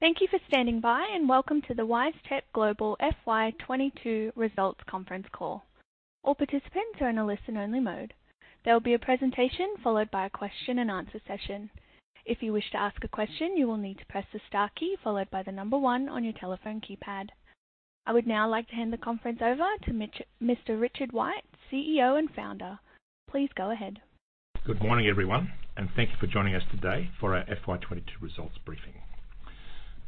Thank you for standing by and welcome to the WiseTech Global FY 2022 Results Conference Call. All participants are in a listen-only mode. There will be a presentation followed by a question-and-answer session. If you wish to ask a question, you will need to press the star key followed by the number one on your telephone keypad. I would now like to hand the conference over to Mr. Richard White, CEO and Founder. Please go ahead. Good morning, everyone, and thank you for joining us today for our FY 2022 results briefing.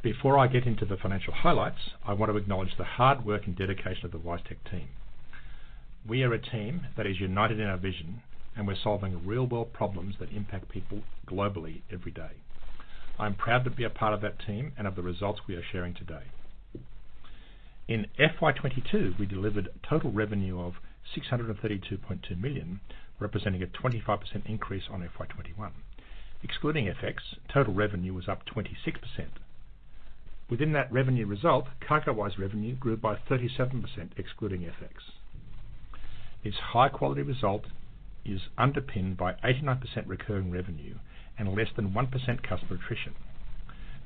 Before I get into the financial highlights, I want to acknowledge the hard work and dedication of the WiseTech team. We are a team that is united in our vision, and we're solving real-world problems that impact people globally every day. I'm proud to be a part of that team and of the results we are sharing today. In FY 2022, we delivered total revenue of 632.2 million, representing a 25% increase on FY 2021. Excluding FX, total revenue was up 26%. Within that revenue result, CargoWise revenue grew by 37% excluding FX. Its high-quality result is underpinned by 89% recurring revenue and less than 1% customer attrition.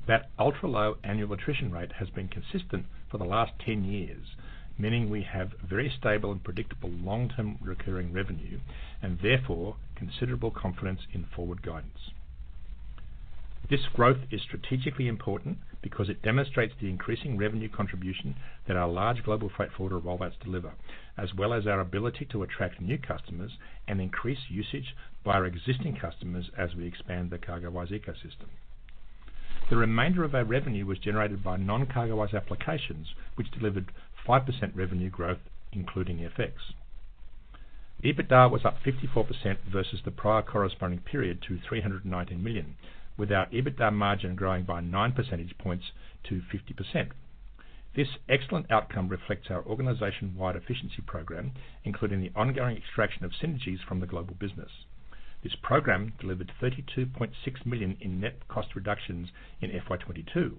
That ultra-low annual attrition rate has been consistent for the last 10 years, meaning we have very stable and predictable long-term recurring revenue and therefore considerable confidence in forward guidance. This growth is strategically important because it demonstrates the increasing revenue contribution that our large global freight forwarder rollouts deliver, as well as our ability to attract new customers and increase usage by our existing customers as we expand the CargoWise ecosystem. The remainder of our revenue was generated by non-CargoWise applications, which delivered 5% revenue growth including FX. EBITDA was up 54% versus the prior corresponding period to 319 million, with our EBITDA margin growing by nine percentage points to 50%. This excellent outcome reflects our organization-wide efficiency program, including the ongoing extraction of synergies from the global business. This program delivered 32.6 million in net cost reductions in FY 2022,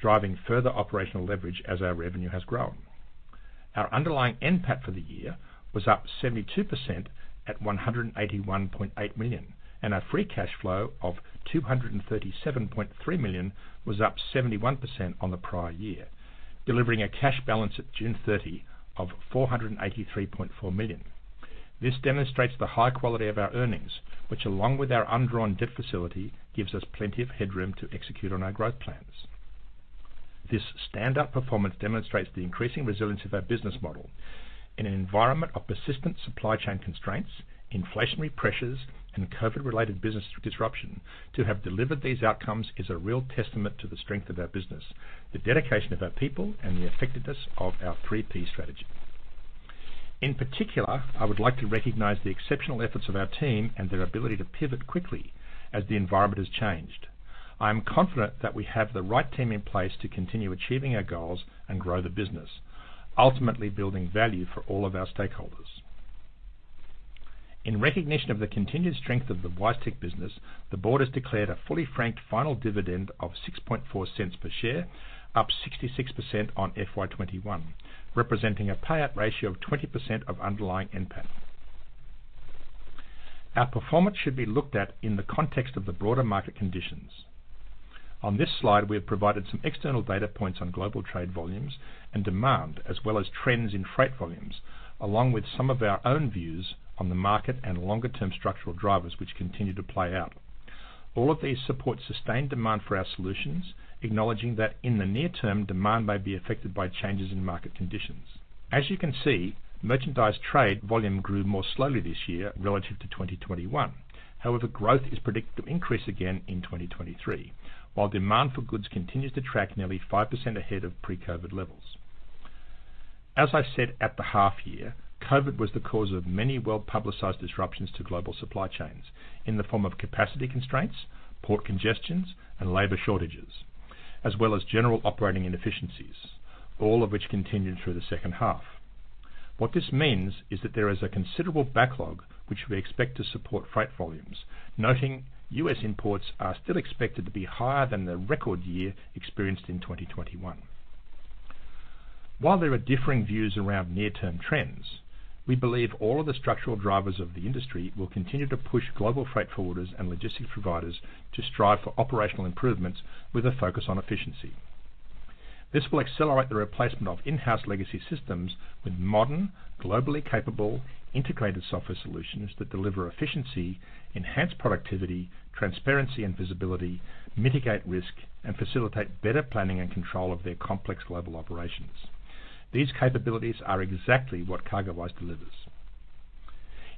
driving further operational leverage as our revenue has grown. Our underlying NPAT for the year was up 72% at 181.8 million, and our free cash flow of 237.3 million was up 71% on the prior year, delivering a cash balance at June 30 of 483.4 million. This demonstrates the high quality of our earnings, which, along with our undrawn debt facility, gives us plenty of headroom to execute on our growth plans. This standout performance demonstrates the increasing resilience of our business model. In an environment of persistent supply chain constraints, inflationary pressures, and COVID-related business disruption, to have delivered these outcomes is a real testament to the strength of our business, the dedication of our people, and the effectiveness of our three P strategy. In particular, I would like to recognize the exceptional efforts of our team and their ability to pivot quickly as the environment has changed. I am confident that we have the right team in place to continue achieving our goals and grow the business, ultimately building value for all of our stakeholders. In recognition of the continued strength of the WiseTech business, the board has declared a fully franked final dividend of 0.064 per share, up 66% on FY 2021, representing a payout ratio of 20% of underlying NPAT. Our performance should be looked at in the context of the broader market conditions. On this slide, we have provided some external data points on global trade volumes and demand, as well as trends in freight volumes, along with some of our own views on the market and longer-term structural drivers which continue to play out. All of these support sustained demand for our solutions, acknowledging that in the near term, demand may be affected by changes in market conditions. As you can see, merchandise trade volume grew more slowly this year relative to 2021. However, growth is predicted to increase again in 2023, while demand for goods continues to track nearly 5% ahead of pre-COVID levels. As I said at the half year, COVID was the cause of many well-publicized disruptions to global supply chains in the form of capacity constraints, port congestions and labor shortages, as well as general operating inefficiencies, all of which continued through the second half. What this means is that there is a considerable backlog which we expect to support freight volumes. Noting U.S. imports are still expected to be higher than the record year experienced in 2021. While there are differing views around near-term trends, we believe all of the structural drivers of the industry will continue to push global freight forwarders and logistics providers to strive for operational improvements with a focus on efficiency. This will accelerate the replacement of in-house legacy systems with modern, globally capable, integrated software solutions that deliver efficiency, enhance productivity, transparency and visibility, mitigate risk, and facilitate better planning and control of their complex global operations. These capabilities are exactly what CargoWise delivers.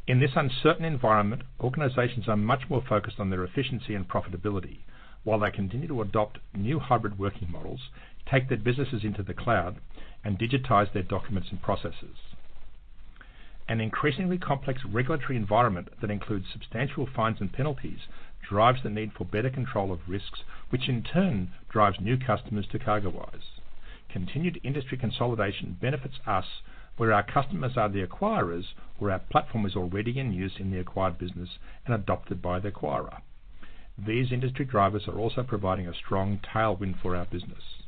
In this uncertain environment, organizations are much more focused on their efficiency and profitability while they continue to adopt new hybrid working models, take their businesses into the cloud, and digitize their documents and processes. An increasingly complex regulatory environment that includes substantial fines and penalties drives the need for better control of risks, which in turn drives new customers to CargoWise. Continued industry consolidation benefits us where our customers are the acquirers or our platform is already in use in the acquired business and adopted by the acquirer. These industry drivers are also providing a strong tailwind for our business.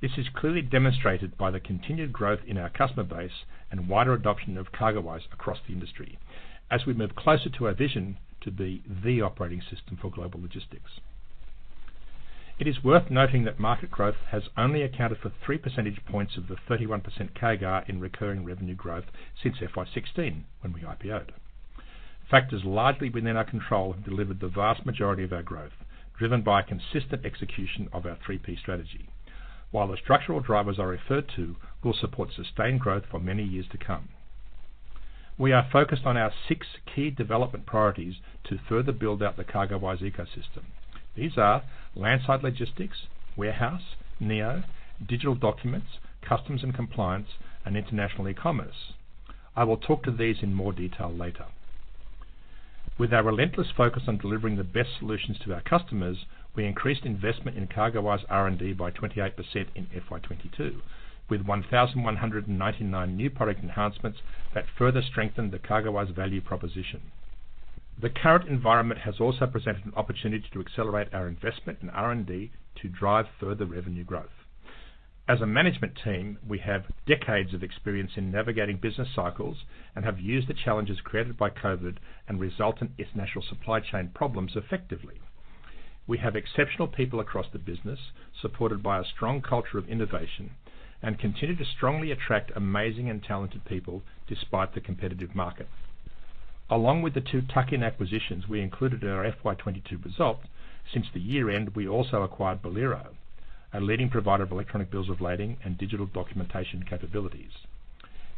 This is clearly demonstrated by the continued growth in our customer base and wider adoption of CargoWise across the industry as we move closer to our vision to be the operating system for global logistics. It is worth noting that market growth has only accounted for three percentage points of the 31% CAGR in recurring revenue growth since FY 2016 when we IPO'd. Factors largely within our control have delivered the vast majority of our growth, driven by consistent execution of our 3P strategy. The structural drivers referred to will support sustained growth for many years to come. We are focused on our six key development priorities to further build out the CargoWise ecosystem. These are landside logistics, warehouse, Neo, digital documents, customs and compliance, and international e-commerce. I will talk to these in more detail later. With our relentless focus on delivering the best solutions to our customers, we increased investment in CargoWise R&D by 28% in FY 2022, with 1,199 new product enhancements that further strengthen the CargoWise value proposition. The current environment has also presented an opportunity to accelerate our investment in R&D to drive further revenue growth. As a management team, we have decades of experience in navigating business cycles and have used the challenges created by COVID and resultant international supply chain problems effectively. We have exceptional people across the business, supported by a strong culture of innovation, and continue to strongly attract amazing and talented people despite the competitive market. Along with the two tuck-in acquisitions we included in our FY 2022 results, since the year-end, we also acquired Bolero, a leading provider of electronic bills of lading and digital documentation capabilities.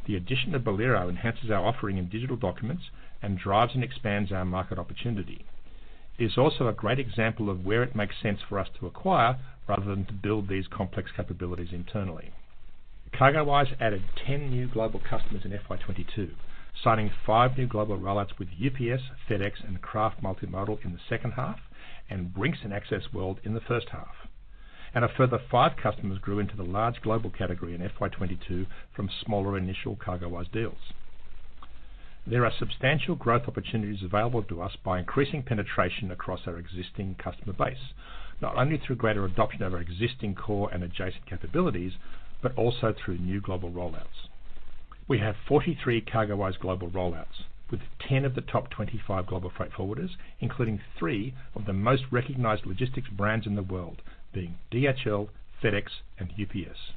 The addition of Bolero enhances our offering in digital documents and drives and expands our market opportunity. It's also a great example of where it makes sense for us to acquire rather than to build these complex capabilities internally. CargoWise added 10 new global customers in FY 2022, signing five new global rollouts with UPS, FedEx, and Kraft Multimodal in the second half and Brink's and Access World in the first half. A further five customers grew into the large global category in FY 2022 from smaller initial CargoWise deals. There are substantial growth opportunities available to us by increasing penetration across our existing customer base, not only through greater adoption of our existing core and adjacent capabilities, but also through new global rollouts. We have 43 CargoWise global rollouts with 10 of the top 25 global freight forwarders, including three of the most recognized logistics brands in the world, being DHL, FedEx, and UPS.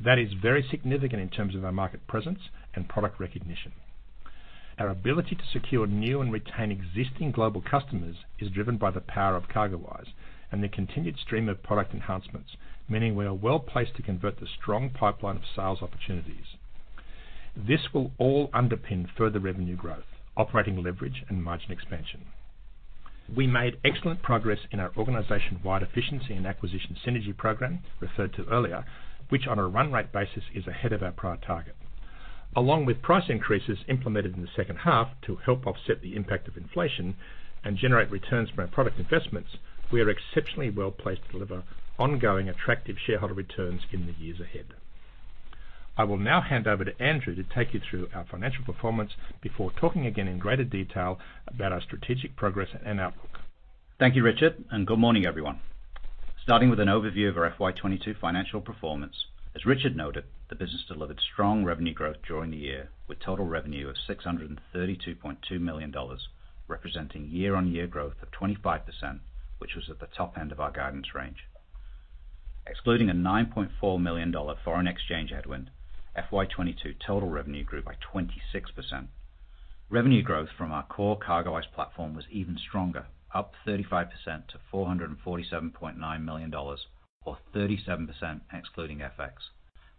That is very significant in terms of our market presence and product recognition. Our ability to secure new and retain existing global customers is driven by the power of CargoWise and the continued stream of product enhancements, meaning we are well-placed to convert the strong pipeline of sales opportunities. This will all underpin further revenue growth, operating leverage, and margin expansion. We made excellent progress in our organization-wide efficiency and acquisition synergy program referred to earlier, which on a run rate basis is ahead of our prior target. Along with price increases implemented in the second half to help offset the impact of inflation and generate returns from our product investments, we are exceptionally well-placed to deliver ongoing attractive shareholder returns in the years ahead. I will now hand over to Andrew to take you through our financial performance before talking again in greater detail about our strategic progress and outlook. Thank you, Richard, and good morning, everyone. Starting with an overview of our FY 2022 financial performance. As Richard noted, the business delivered strong revenue growth during the year, with total revenue of 632.2 million dollars, representing year-on-year growth of 25%, which was at the top end of our guidance range. Excluding a 9.4 million dollar foreign exchange headwind, FY 2022 total revenue grew by 26%. Revenue growth from our core CargoWise platform was even stronger, up 35% to 447.9 million dollars or 37% excluding FX,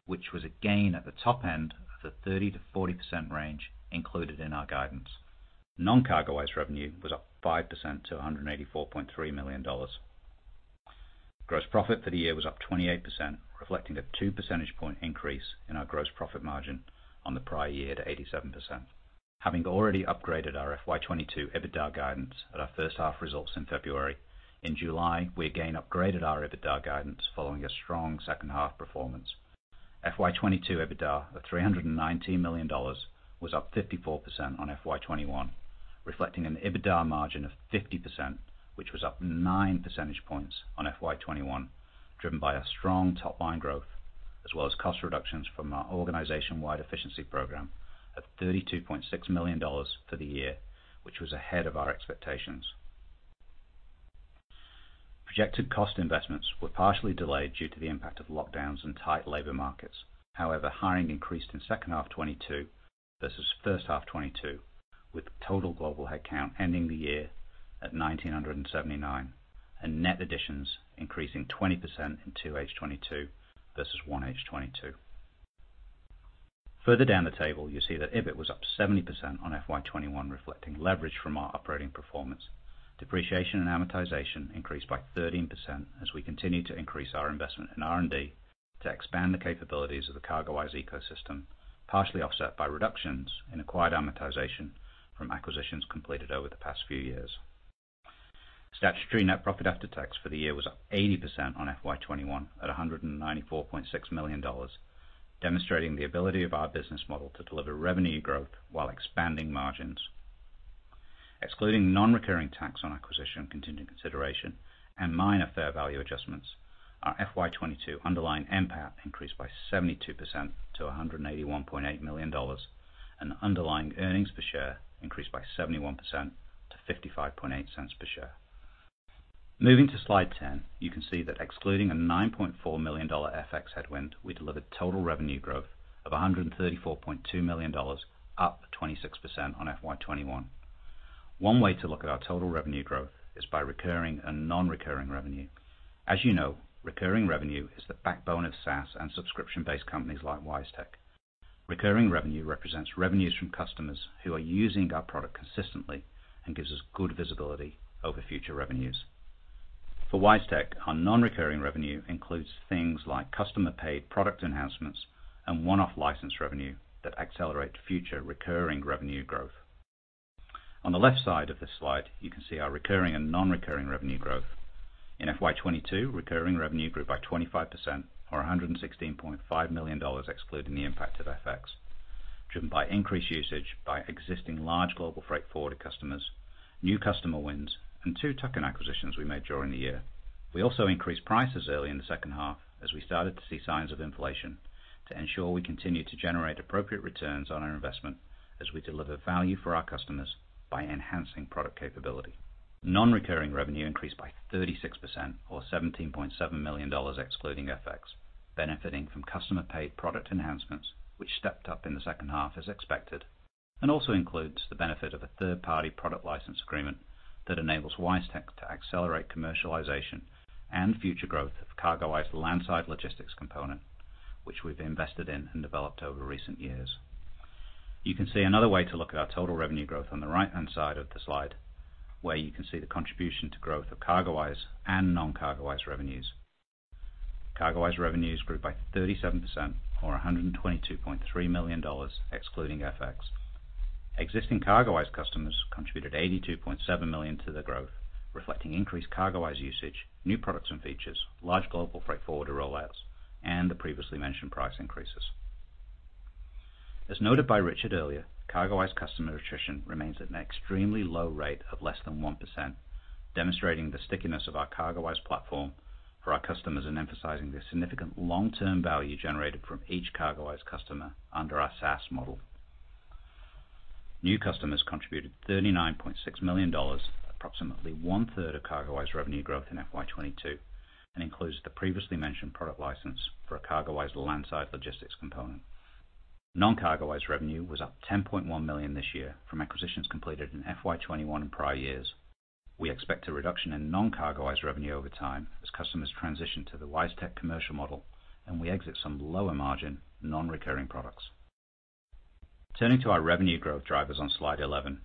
which was again at the top end of the 30%-40% range included in our guidance. Non-CargoWise revenue was up 5% to 184.3 million dollars. Gross profit for the year was up 28%, reflecting a 2 percentage point increase in our gross profit margin on the prior year to 87%. Having already upgraded our FY 2022 EBITDA guidance at our first half results in February, in July, we again upgraded our EBITDA guidance following a strong second half performance. FY 2022 EBITDA of 319 million dollars was up 54% on FY 2021, reflecting an EBITDA margin of 50%, which was up 9 percentage points on FY 2021, driven by a strong top line growth as well as cost reductions from our organization-wide efficiency program of 32.6 million dollars for the year, which was ahead of our expectations. Projected cost investments were partially delayed due to the impact of lockdowns and tight labor markets. However, hiring increased in second half 2022 versus first half 2022, with total global headcount ending the year at 1,979, and net additions increasing 20% in H2 2022 versus H1 2022. Further down the table, you see that EBIT was up 70% on FY 2021, reflecting leverage from our operating performance. Depreciation and amortization increased by 13% as we continued to increase our investment in R&D to expand the capabilities of the CargoWise ecosystem, partially offset by reductions in acquired amortization from acquisitions completed over the past few years. Statutory net profit after tax for the year was up 80% on FY 2021, at 194.6 million dollars, demonstrating the ability of our business model to deliver revenue growth while expanding margins. Excluding non-recurring tax on acquisition, continuing consideration, and minor fair value adjustments, our FY 2022 underlying NPAT increased by 72% to 181.8 million dollars, and underlying earnings per share increased by 71% to 0.558 per share. Moving to slide 10, you can see that excluding a 9.4 million dollar FX headwind, we delivered total revenue growth of 134.2 million dollars, up 26% on FY 2021. One way to look at our total revenue growth is by recurring and non-recurring revenue. As you know, recurring revenue is the backbone of SaaS and subscription-based companies like WiseTech. Recurring revenue represents revenues from customers who are using our product consistently and gives us good visibility over future revenues. For WiseTech, our non-recurring revenue includes things like customer paid product enhancements and one-off license revenue that accelerate future recurring revenue growth. On the left side of this slide, you can see our recurring and non-recurring revenue growth. In FY 2022, recurring revenue grew by 25% or 116.5 million dollars, excluding the impact of FX. Driven by increased usage by existing large global freight forwarder customers, new customer wins and two tuck-in acquisitions we made during the year. We also increased prices early in the second half as we started to see signs of inflation, to ensure we continue to generate appropriate returns on our investment as we deliver value for our customers by enhancing product capability. Non-recurring revenue increased by 36% or 17.7 million dollars excluding FX, benefiting from customer paid product enhancements, which stepped up in the second half as expected, and also includes the benefit of a third-party product license agreement that enables WiseTech to accelerate commercialization and future growth of CargoWise landside logistics component, which we've invested in and developed over recent years. You can see another way to look at our total revenue growth on the right-hand side of the slide, where you can see the contribution to growth of CargoWise and non-CargoWise revenues. CargoWise revenues grew by 37% or 122.3 million dollars excluding FX. Existing CargoWise customers contributed 82.7 million to the growth, reflecting increased CargoWise usage, new products and features, large global freight forwarder rollouts, and the previously mentioned price increases. As noted by Richard earlier, CargoWise customer attrition remains at an extremely low rate of less than 1%, demonstrating the stickiness of our CargoWise platform for our customers and emphasizing the significant long-term value generated from each CargoWise customer under our SaaS model. New customers contributed 39.6 million dollars, approximately 1/3 of CargoWise revenue growth in FY 2022, and includes the previously mentioned product license for a CargoWise landside logistics component. Non-CargoWise revenue was up 10.1 million this year from acquisitions completed in FY 2021 and prior years. We expect a reduction in non-CargoWise revenue over time as customers transition to the WiseTech commercial model and we exit some lower margin non-recurring products. Turning to our revenue growth drivers on slide 11.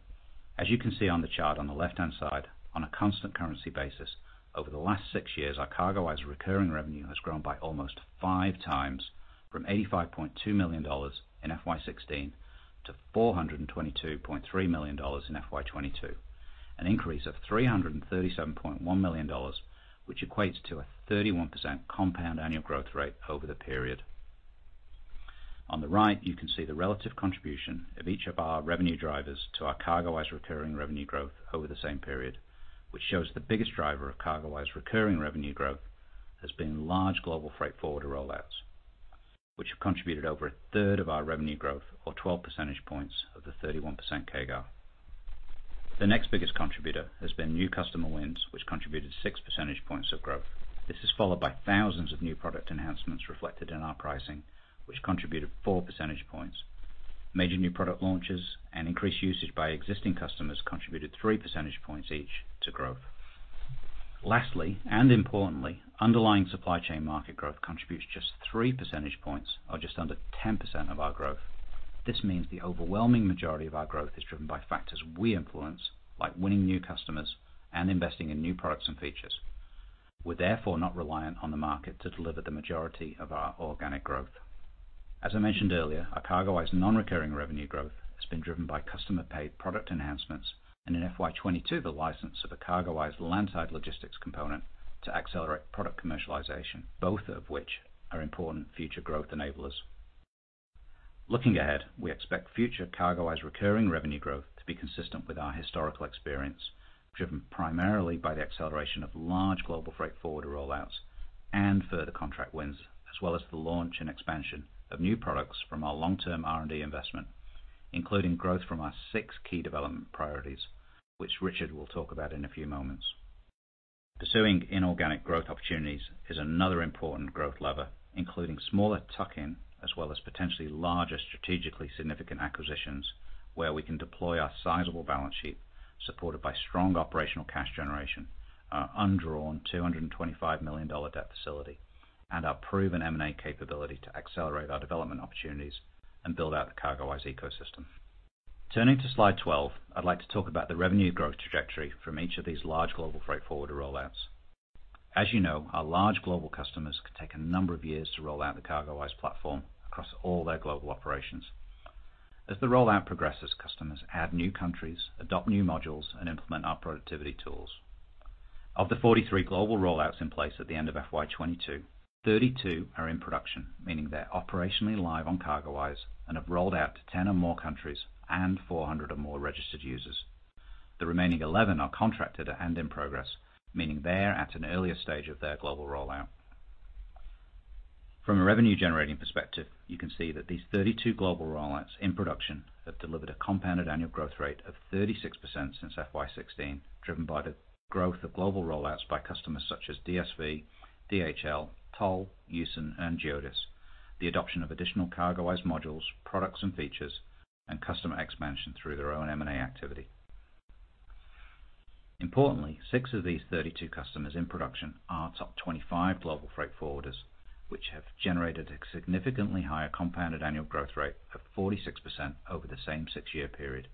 As you can see on the chart on the left-hand side, on a constant currency basis over the last six years, our CargoWise recurring revenue has grown by almost five times from 85.2 million dollars in FY 2016 to 422.3 million dollars in FY 2022, an increase of 337.1 million dollars, which equates to a 31% compound annual growth rate over the period. On the right, you can see the relative contribution of each of our revenue drivers to our CargoWise recurring revenue growth over the same period, which shows the biggest driver of CargoWise recurring revenue growth has been large global freight forwarder rollouts, which have contributed over a third of our revenue growth or 12 percentage points of the 31% CAGR. The next biggest contributor has been new customer wins, which contributed 6 percentage points of growth. This is followed by thousands of new product enhancements reflected in our pricing, which contributed 4 percentage points. Major new product launches and increased usage by existing customers contributed 3 percentage points each to growth. Lastly, and importantly, underlying supply chain market growth contributes just 3 percentage points or just under 10% of our growth. This means the overwhelming majority of our growth is driven by factors we influence, like winning new customers and investing in new products and features. We're therefore not reliant on the market to deliver the majority of our organic growth. As I mentioned earlier, our CargoWise non-recurring revenue growth has been driven by customer paid product enhancements and in FY 22, the license of a CargoWise landside logistics component to accelerate product commercialization, both of which are important future growth enablers. Looking ahead, we expect future CargoWise recurring revenue growth to be consistent with our historical experience, driven primarily by the acceleration of large global freight forwarder rollouts and further contract wins, as well as the launch and expansion of new products from our long-term R&D investment, including growth from our six key development priorities, which Richard will talk about in a few moments. Pursuing inorganic growth opportunities is another important growth lever, including smaller tuck-in, as well as potentially larger strategically significant acquisitions where we can deploy our sizable balance sheet supported by strong operational cash generation, our undrawn $225 million debt facility and our proven M&A capability to accelerate our development opportunities and build out the CargoWise ecosystem. Turning to slide 12, I'd like to talk about the revenue growth trajectory from each of these large global freight forwarder rollouts. As you know, our large global customers can take a number of years to roll out the CargoWise platform across all their global operations. As the rollout progresses, customers add new countries, adopt new modules, and implement our productivity tools. Of the 43 global rollouts in place at the end of FY 2022, 32 are in production, meaning they're operationally live on CargoWise and have rolled out to 10 or more countries and 400 or more registered users. The remaining 11 are contracted and in progress, meaning they are at an earlier stage of their global rollout. From a revenue-generating perspective, you can see that these 32 global rollouts in production have delivered a compounded annual growth rate of 36% since FY 2016, driven by the growth of global rollouts by customers such as DSV, DHL, Toll, Yusen and Geodis. The adoption of additional CargoWise modules, products, and features, and customer expansion through their own M&A activity. Importantly, six of these 32 customers in production are top 25 global freight forwarders, which have generated a significantly higher compounded annual growth rate of 46% over the same six-year period,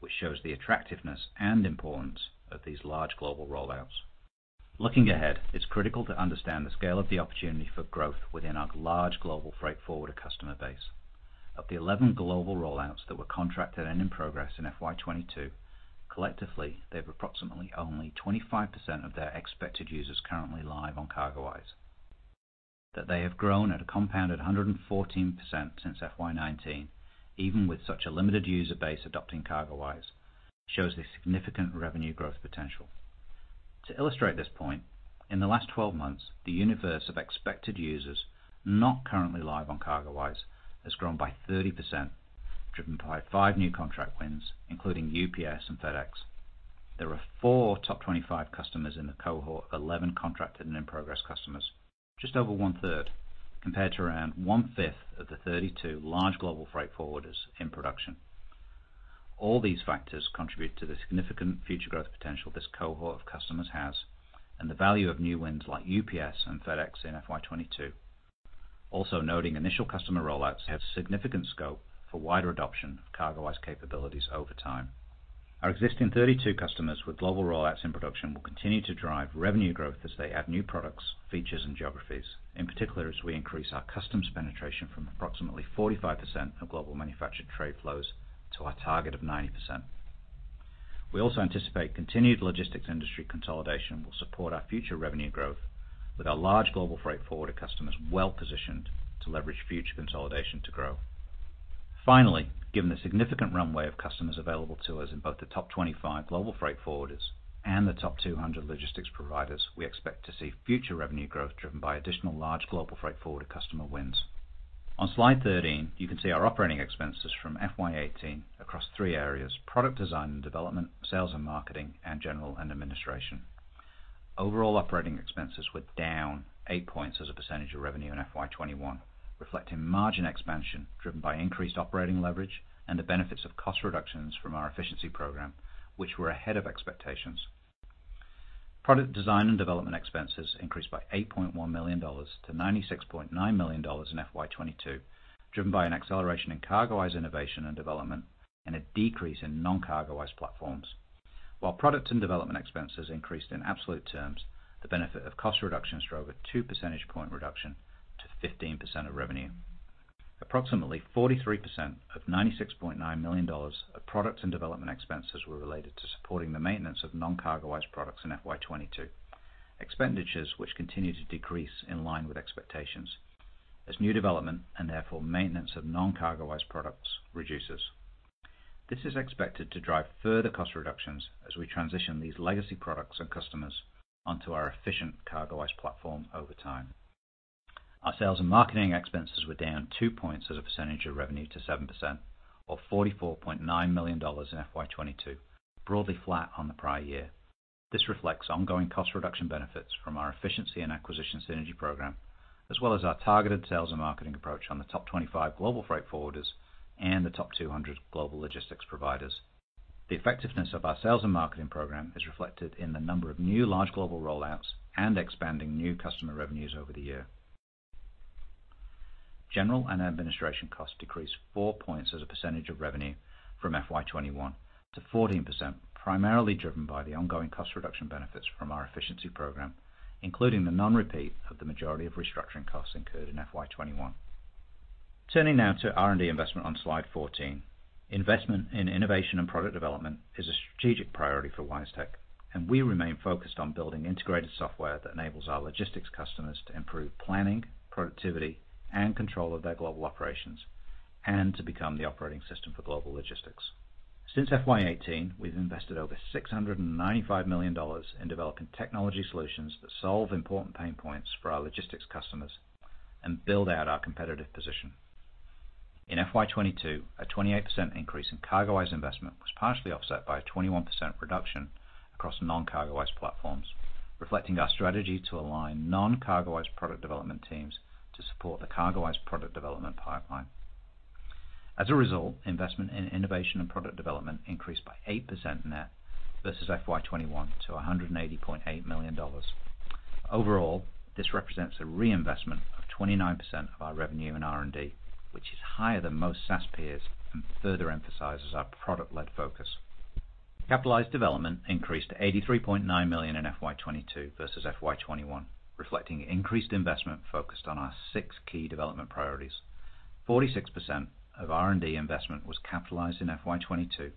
which shows the attractiveness and importance of these large global rollouts. Looking ahead, it's critical to understand the scale of the opportunity for growth within our large global freight forwarder customer base. Of the 11 global rollouts that were contracted and in progress in FY 2022, collectively, they have approximately only 25% of their expected users currently live on CargoWise. That they have grown at a compounded 114% since FY 2019 even with such a limited user base adopting CargoWise, shows the significant revenue growth potential. To illustrate this point, in the last 12 months, the universe of expected users not currently live on CargoWise has grown by 30%, driven by five new contract wins, including UPS and FedEx. There are four top 25 customers in the cohort of 11 contracted and in-progress customers, just over 1/3 compared to around 1/5 of the 32 large global freight forwarders in production. All these factors contribute to the significant future growth potential this cohort of customers has and the value of new wins like UPS and FedEx in FY 2022. Also noting initial customer rollouts have significant scope for wider adoption of CargoWise capabilities over time. Our existing 32 customers with global rollouts in production will continue to drive revenue growth as they add new products, features, and geographies, in particular as we increase our customs penetration from approximately 45% of global manufactured trade flows to our target of 90%. We also anticipate continued logistics industry consolidation will support our future revenue growth with our large global freight forwarder customers well-positioned to leverage future consolidation to grow. Finally, given the significant runway of customers available to us in both the top 25 global freight forwarders and the top 200 logistics providers, we expect to see future revenue growth driven by additional large global freight forwarder customer wins. On slide 13, you can see our operating expenses from FY 18 across three areas, product design and development, sales and marketing, and general and administrative. Overall operating expenses were down 8 points as a percentage of revenue in FY 2021, reflecting margin expansion driven by increased operating leverage and the benefits of cost reductions from our efficiency program, which were ahead of expectations. Product design and development expenses increased by 8.1 million dollars to 96.9 million dollars in FY 2022, driven by an acceleration in CargoWise innovation and development and a decrease in non-CargoWise platforms. While products and development expenses increased in absolute terms, the benefit of cost reductions drove a 2 percentage point reduction to 15% of revenue. Approximately 43% of 96.9 million dollars of products and development expenses were related to supporting the maintenance of non-CargoWise products in FY 2022. Expenditures which continue to decrease in line with expectations as new development and therefore maintenance of non-CargoWise products reduces. This is expected to drive further cost reductions as we transition these legacy products and customers onto our efficient CargoWise platform over time. Our sales and marketing expenses were down two points as a percentage of revenue to 7% or 44.9 million dollars in FY 2022, broadly flat on the prior year. This reflects ongoing cost reduction benefits from our efficiency and acquisition synergy program, as well as our targeted sales and marketing approach on the top 25 global freight forwarders and the top 200 global logistics providers. The effectiveness of our sales and marketing program is reflected in the number of new large global rollouts and expanding new customer revenues over the year. General and administration costs decreased 4 points as a percentage of revenue from FY 2021 to 14%, primarily driven by the ongoing cost reduction benefits from our efficiency program, including the non-repeat of the majority of restructuring costs incurred in FY 2021. Turning now to R&D investment on slide 14. Investment in innovation and product development is a strategic priority for WiseTech, and we remain focused on building integrated software that enables our logistics customers to improve planning, productivity, and control of their global operations and to become the operating system for global logistics. Since FY 2018, we've invested over 695 million dollars in developing technology solutions that solve important pain points for our logistics customers and build out our competitive position. In FY22, a 28% increase in CargoWise investment was partially offset by a 21% reduction across non-CargoWise platforms, reflecting our strategy to align non-CargoWise product development teams to support the CargoWise product development pipeline. As a result, investment in innovation and product development increased by 8% net versus FY21 to 180.8 million dollars. Overall, this represents a reinvestment of 29% of our revenue in R&D, which is higher than most SaaS peers and further emphasizes our product-led focus. Capitalized development increased to 83.9 million in FY22 versus FY21, reflecting increased investment focused on our six key development priorities. 46% of R&D investment was capitalized in FY 2022.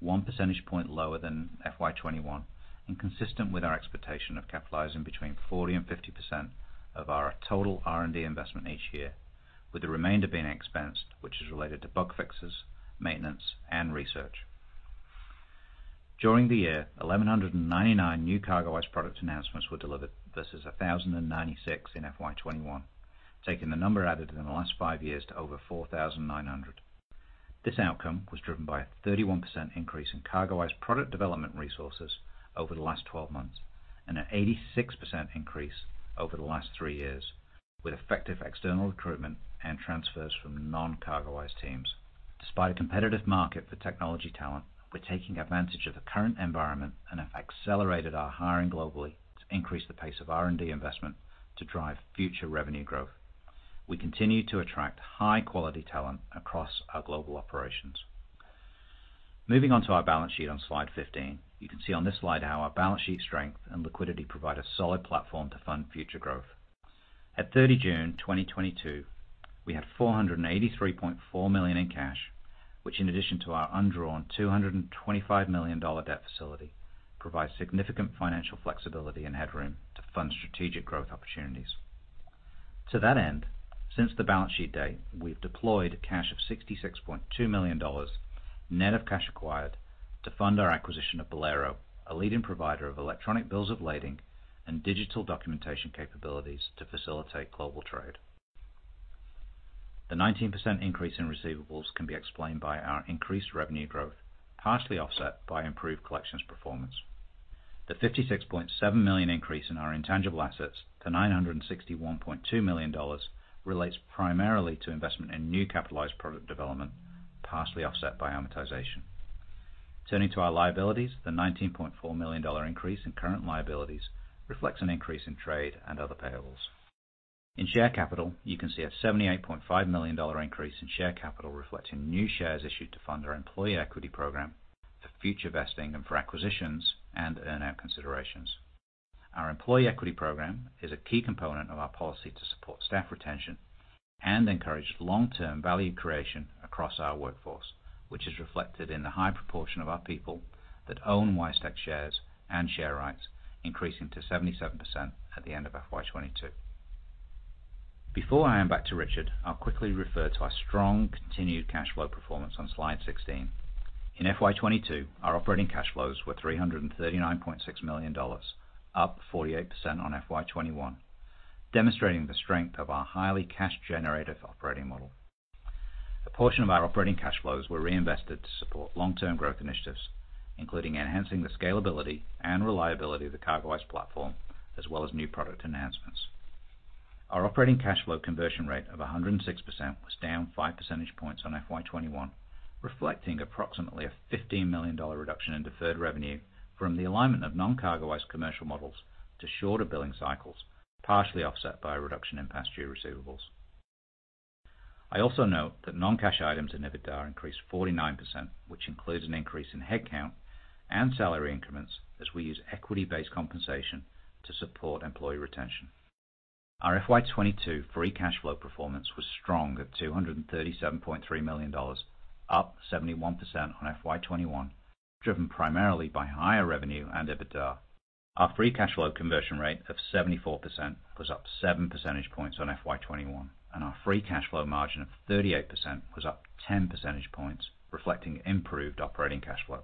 One percentage point lower than FY 2021 and consistent with our expectation of capitalizing between 40% and 50% of our total R&D investment each year, with the remainder being expensed, which is related to bug fixes, maintenance and research. During the year, 1,199 new CargoWise products announcements were delivered versus 1,096 in FY 2021. Taking the number added in the last five years to over 4,900. This outcome was driven by a 31% increase in CargoWise product development resources over the last 12 months and an 86% increase over the last three years, with effective external recruitment and transfers from non-CargoWise teams. Despite a competitive market for technology talent, we're taking advantage of the current environment and have accelerated our hiring globally to increase the pace of R&D investment to drive future revenue growth. We continue to attract high quality talent across our global operations. Moving on to our balance sheet on slide 15. You can see on this slide how our balance sheet strength and liquidity provide a solid platform to fund future growth. At 30 June 2022, we had 483.4 million in cash, which, in addition to our undrawn $225 million debt facility, provides significant financial flexibility and headroom to fund strategic growth opportunities. To that end, since the balance sheet date, we've deployed cash of 66.2 million dollars net of cash acquired to fund our acquisition of Bolero, a leading provider of electronic bills of lading and digital documentation capabilities to facilitate global trade. The 19% increase in receivables can be explained by our increased revenue growth, partially offset by improved collections performance. The 56.7 million increase in our intangible assets to 961.2 million dollars relates primarily to investment in new capitalized product development, partially offset by amortization. Turning to our liabilities. The 19.4 million dollar increase in current liabilities reflects an increase in trade and other payables. In share capital, you can see a 78.5 million dollar increase in share capital, reflecting new shares issued to fund our employee equity program for future vesting and for acquisitions and earn out considerations. Our employee equity program is a key component of our policy to support staff retention and encourage long term value creation across our workforce, which is reflected in the high proportion of our people that own WiseTech shares and share rights, increasing to 77% at the end of FY 2022. Before I hand back to Richard, I'll quickly refer to our strong continued cash flow performance on slide 16. In FY 2022, our operating cash flows were AUD 339.6 million, up 48% on FY 2021, demonstrating the strength of our highly cash generative operating model. A portion of our operating cash flows were reinvested to support long term growth initiatives, including enhancing the scalability and reliability of the CargoWise platform, as well as new product enhancements. Our operating cash flow conversion rate of 106% was down 5 percentage points on FY 2021, reflecting approximately a 15 million dollar reduction in deferred revenue from the alignment of non-CargoWise commercial models to shorter billing cycles, partially offset by a reduction in past due receivables. I also note that non-cash items in EBITDA increased 49%, which includes an increase in headcount and salary increments as we use equity-based compensation to support employee retention. Our FY 2022 free cash flow performance was strong at 237.3 million dollars, up 71% on FY 2021, driven primarily by higher revenue and EBITDA. Our free cash flow conversion rate of 74% was up 7 percentage points on FY 2021, and our free cash flow margin of 38% was up 10 percentage points, reflecting improved operating cash flow.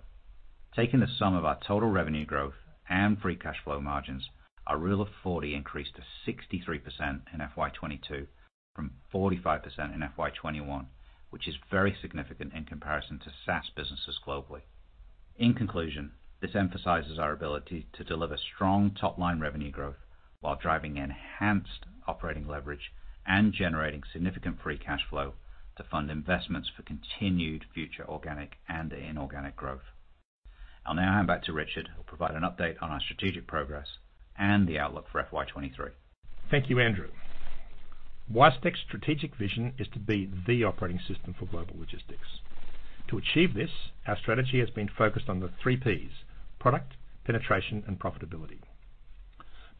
Taking the sum of our total revenue growth and free cash flow margins, our Rule of 40 increased to 63% in FY 2022 from 45% in FY 2021, which is very significant in comparison to SaaS businesses globally. In conclusion, this emphasizes our ability to deliver strong top line revenue growth while driving enhanced operating leverage and generating significant free cash flow to fund investments for continued future organic and inorganic growth. I'll now hand back to Richard, who'll provide an update on our strategic progress and the outlook for FY 2023. Thank you, Andrew. WiseTech's strategic vision is to be the operating system for global logistics. To achieve this, our strategy has been focused on the three Ps, product, penetration and profitability.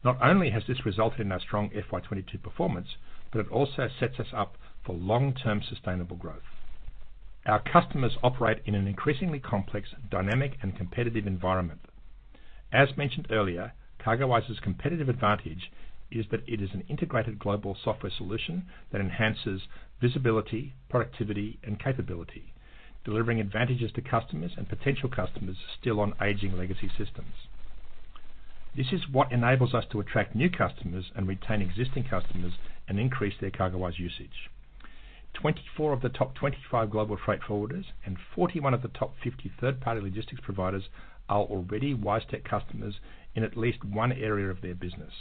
Not only has this resulted in our strong FY 2022 performance, but it also sets us up for long term sustainable growth. Our customers operate in an increasingly complex, dynamic and competitive environment. As mentioned earlier, CargoWise's competitive advantage is that it is an integrated global software solution that enhances visibility, productivity and capability, delivering advantages to customers and potential customers still on aging legacy systems. This is what enables us to attract new customers and retain existing customers and increase their CargoWise usage. 24 of the top 25 global freight forwarders and 41 of the top 50 third-party logistics providers are already WiseTech customers in at least one area of their business.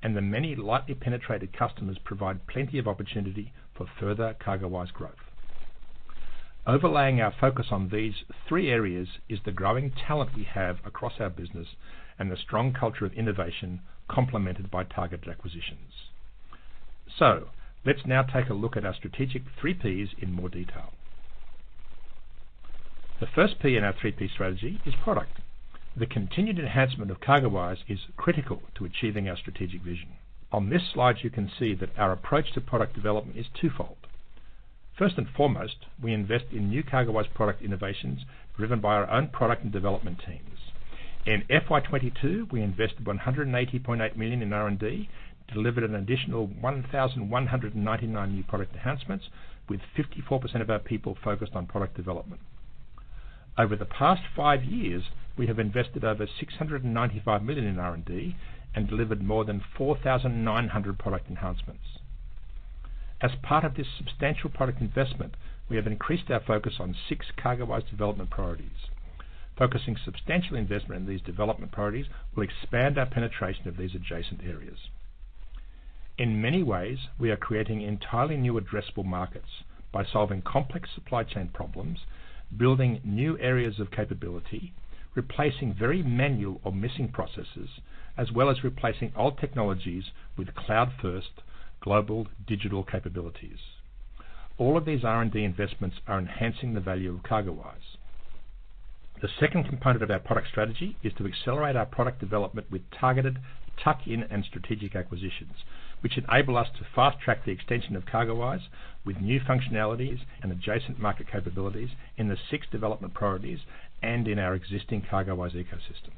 The many lightly penetrated customers provide plenty of opportunity for further CargoWise growth. Overlaying our focus on these three areas is the growing talent we have across our business and the strong culture of innovation complemented by targeted acquisitions. Let's now take a look at our strategic 3Ps in more detail. The first P in our 3P strategy is product. The continued enhancement of CargoWise is critical to achieving our strategic vision. On this slide, you can see that our approach to product development is two-fold. First and foremost, we invest in new CargoWise product innovations driven by our own product and development teams. In FY 2022, we invested 180.8 million in R&D, delivered an additional 1,199 new product enhancements with 54% of our people focused on product development. Over the past five years, we have invested over 695 million in R&D and delivered more than 4,900 product enhancements. As part of this substantial product investment, we have increased our focus on six CargoWise development priorities. Focusing substantial investment in these development priorities will expand our penetration of these adjacent areas. In many ways, we are creating entirely new addressable markets by solving complex supply chain problems, building new areas of capability, replacing very manual or missing processes, as well as replacing old technologies with cloud-first global digital capabilities. All of these R&D investments are enhancing the value of CargoWise. The second component of our product strategy is to accelerate our product development with targeted tuck-in and strategic acquisitions, which enable us to fast-track the extension of CargoWise with new functionalities and adjacent market capabilities in the six development priorities and in our existing CargoWise ecosystem.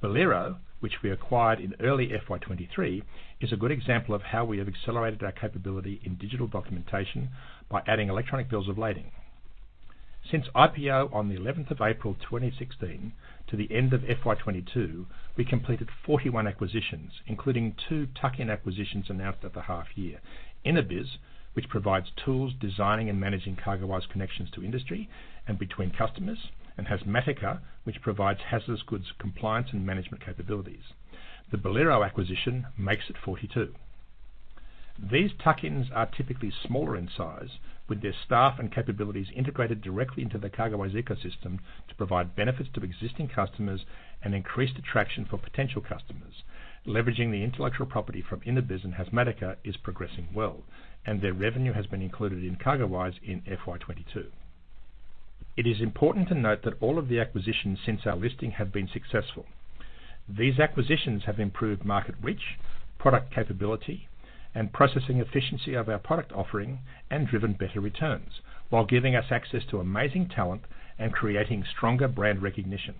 Bolero, which we acquired in early FY 2023, is a good example of how we have accelerated our capability in digital documentation by adding electronic bills of lading. Since IPO on the 11th of April 2016 to the end of FY 2022, we completed 41 acquisitions, including two tuck-in acquisitions announced at the half year, Inabiz, which provides tools for designing and managing CargoWise connections to industry and between customers, and Hazmatica, which provides hazardous goods compliance and management capabilities. The Bolero acquisition makes it 42. These tuck-ins are typically smaller in size with their staff and capabilities integrated directly into the CargoWise ecosystem to provide benefits to existing customers and increased attraction for potential customers. Leveraging the intellectual property from Inabiz and Hazmatica is progressing well, and their revenue has been included in CargoWise in FY 22. It is important to note that all of the acquisitions since our listing have been successful. These acquisitions have improved market reach, product capability and processing efficiency of our product offering and driven better returns while giving us access to amazing talent and creating stronger brand recognition.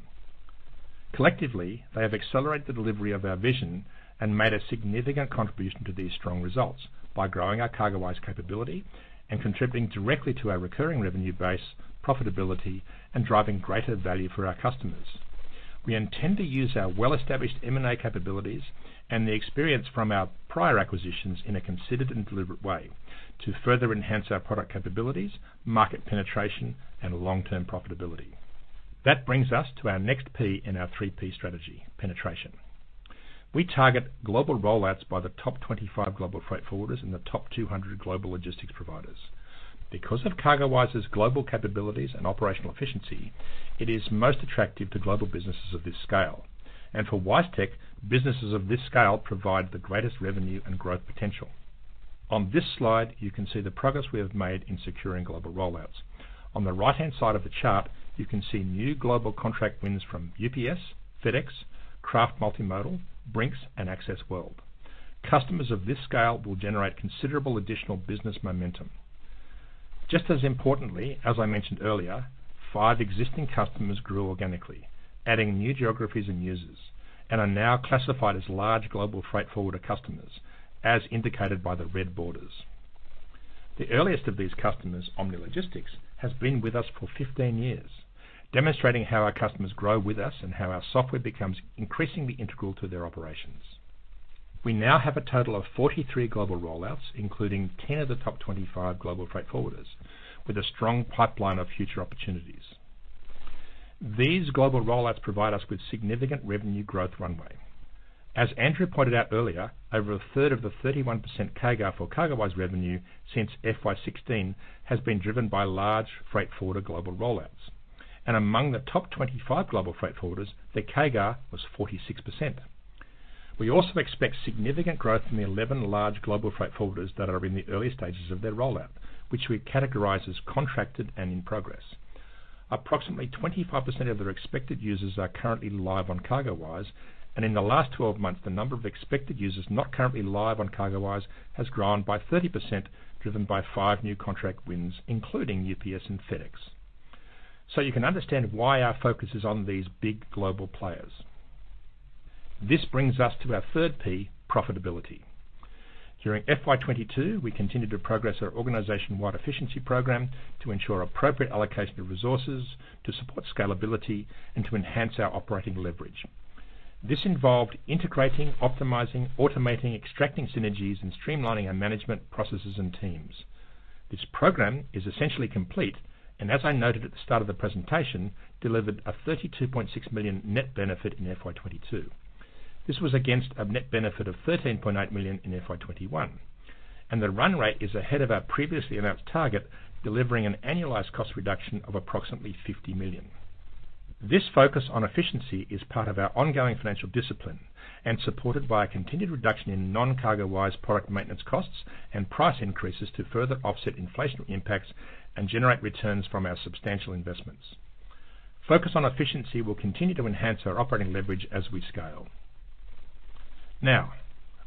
Collectively, they have accelerated the delivery of our vision and made a significant contribution to these strong results by growing our CargoWise capability and contributing directly to our recurring revenue base profitability and driving greater value for our customers. We intend to use our well-established M&A capabilities and the experience from our prior acquisitions in a considered and deliberate way to further enhance our product capabilities, market penetration and long-term profitability. That brings us to our next P in our 3P strategy, penetration. We target global rollouts by the top 25 global freight forwarders and the top 200 global logistics providers. Because of CargoWise's global capabilities and operational efficiency, it is most attractive to global businesses of this scale and for WiseTech, businesses of this scale provide the greatest revenue and growth potential. On this slide, you can see the progress we have made in securing global rollouts. On the right-hand side of the chart, you can see new global contract wins from UPS, FedEx, Kraft Multimodal, Brink's and Access World. Customers of this scale will generate considerable additional business momentum. Just as importantly, as I mentioned earlier, five existing customers grew organically, adding new geographies and users, and are now classified as large global freight forwarder customers as indicated by the red borders. The earliest of these customers, Omni Logistics, has been with us for 15 years, demonstrating how our customers grow with us and how our software becomes increasingly integral to their operations. We now have a total of 43 global rollouts, including 10 of the top 25 global freight forwarders with a strong pipeline of future opportunities. These global rollouts provide us with significant revenue growth runway. As Andrew pointed out earlier, over a third of the 31% CAGR for CargoWise revenue since FY 2016 has been driven by large freight forwarder global rollouts. Among the top 25 global freight forwarders, the CAGR was 46%. We also expect significant growth in the 11 large global freight forwarders that are in the early stages of their rollout, which we categorize as contracted and in progress. Approximately 25% of their expected users are currently live on CargoWise. In the last 12 months, the number of expected users not currently live on CargoWise has grown by 30%, driven by five new contract wins, including UPS and FedEx. You can understand why our focus is on these big global players. This brings us to our third P, profitability. During FY 2022, we continued to progress our organization-wide efficiency program to ensure appropriate allocation of resources to support scalability and to enhance our operating leverage. This involved integrating, optimizing, automating, extracting synergies and streamlining our management processes and teams. This program is essentially complete and as I noted at the start of the presentation, delivered a 32.6 million net benefit in FY 2022. This was against a net benefit of 13.8 million in FY 2021, and the run rate is ahead of our previously announced target, delivering an annualized cost reduction of approximately 50 million. This focus on efficiency is part of our ongoing financial discipline supported by a continued reduction in non-CargoWise product maintenance costs and price increases to further offset inflationary impacts and generate returns from our substantial investments. Focus on efficiency will continue to enhance our operating leverage as we scale. Now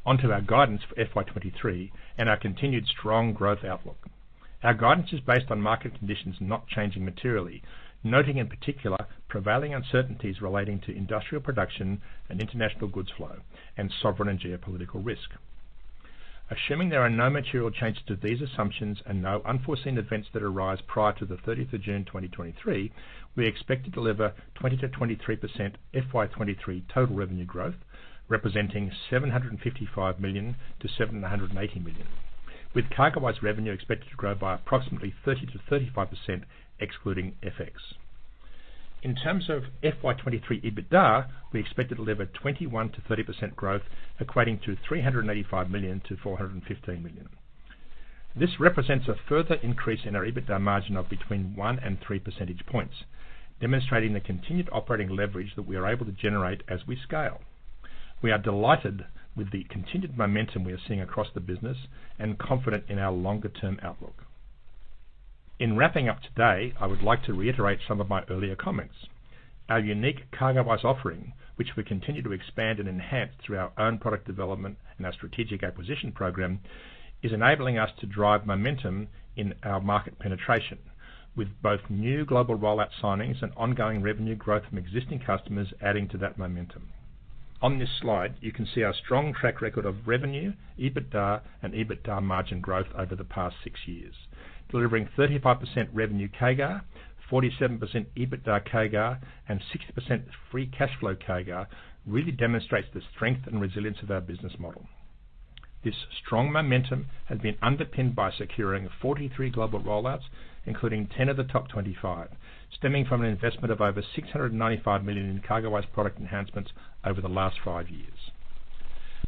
on to our guidance for FY 2023 and our continued strong growth outlook. Our guidance is based on market conditions not changing materially. Noting in particular, prevailing uncertainties relating to industrial production and international goods flow and sovereign and geopolitical risk. Assuming there are no material changes to these assumptions and no unforeseen events that arise prior to the thirtieth of June 2023, we expect to deliver 20%-23% FY23 total revenue growth, representing 755 million-780 million. With CargoWise revenue expected to grow by approximately 30%-35% excluding FX. In terms of FY23 EBITDA, we expect to deliver 21%-30% growth equating to 385 million-415 million. This represents a further increase in our EBITDA margin of between 1 and 3 percentage points, demonstrating the continued operating leverage that we are able to generate as we scale. We are delighted with the continued momentum we are seeing across the business and confident in our longer-term outlook. In wrapping up today, I would like to reiterate some of my earlier comments. Our unique CargoWise offering, which we continue to expand and enhance through our own product development and our strategic acquisition program, is enabling us to drive momentum in our market penetration with both new global rollout signings and ongoing revenue growth from existing customers adding to that momentum. On this slide, you can see our strong track record of revenue, EBITDA, and EBITDA margin growth over the past six years. Delivering 35% revenue CAGR, 47% EBITDA CAGR, and 60% free cash flow CAGR really demonstrates the strength and resilience of our business model. This strong momentum has been underpinned by securing 43 global rollouts, including 10 of the top 25, stemming from an investment of over 695 million in CargoWise product enhancements over the last five years.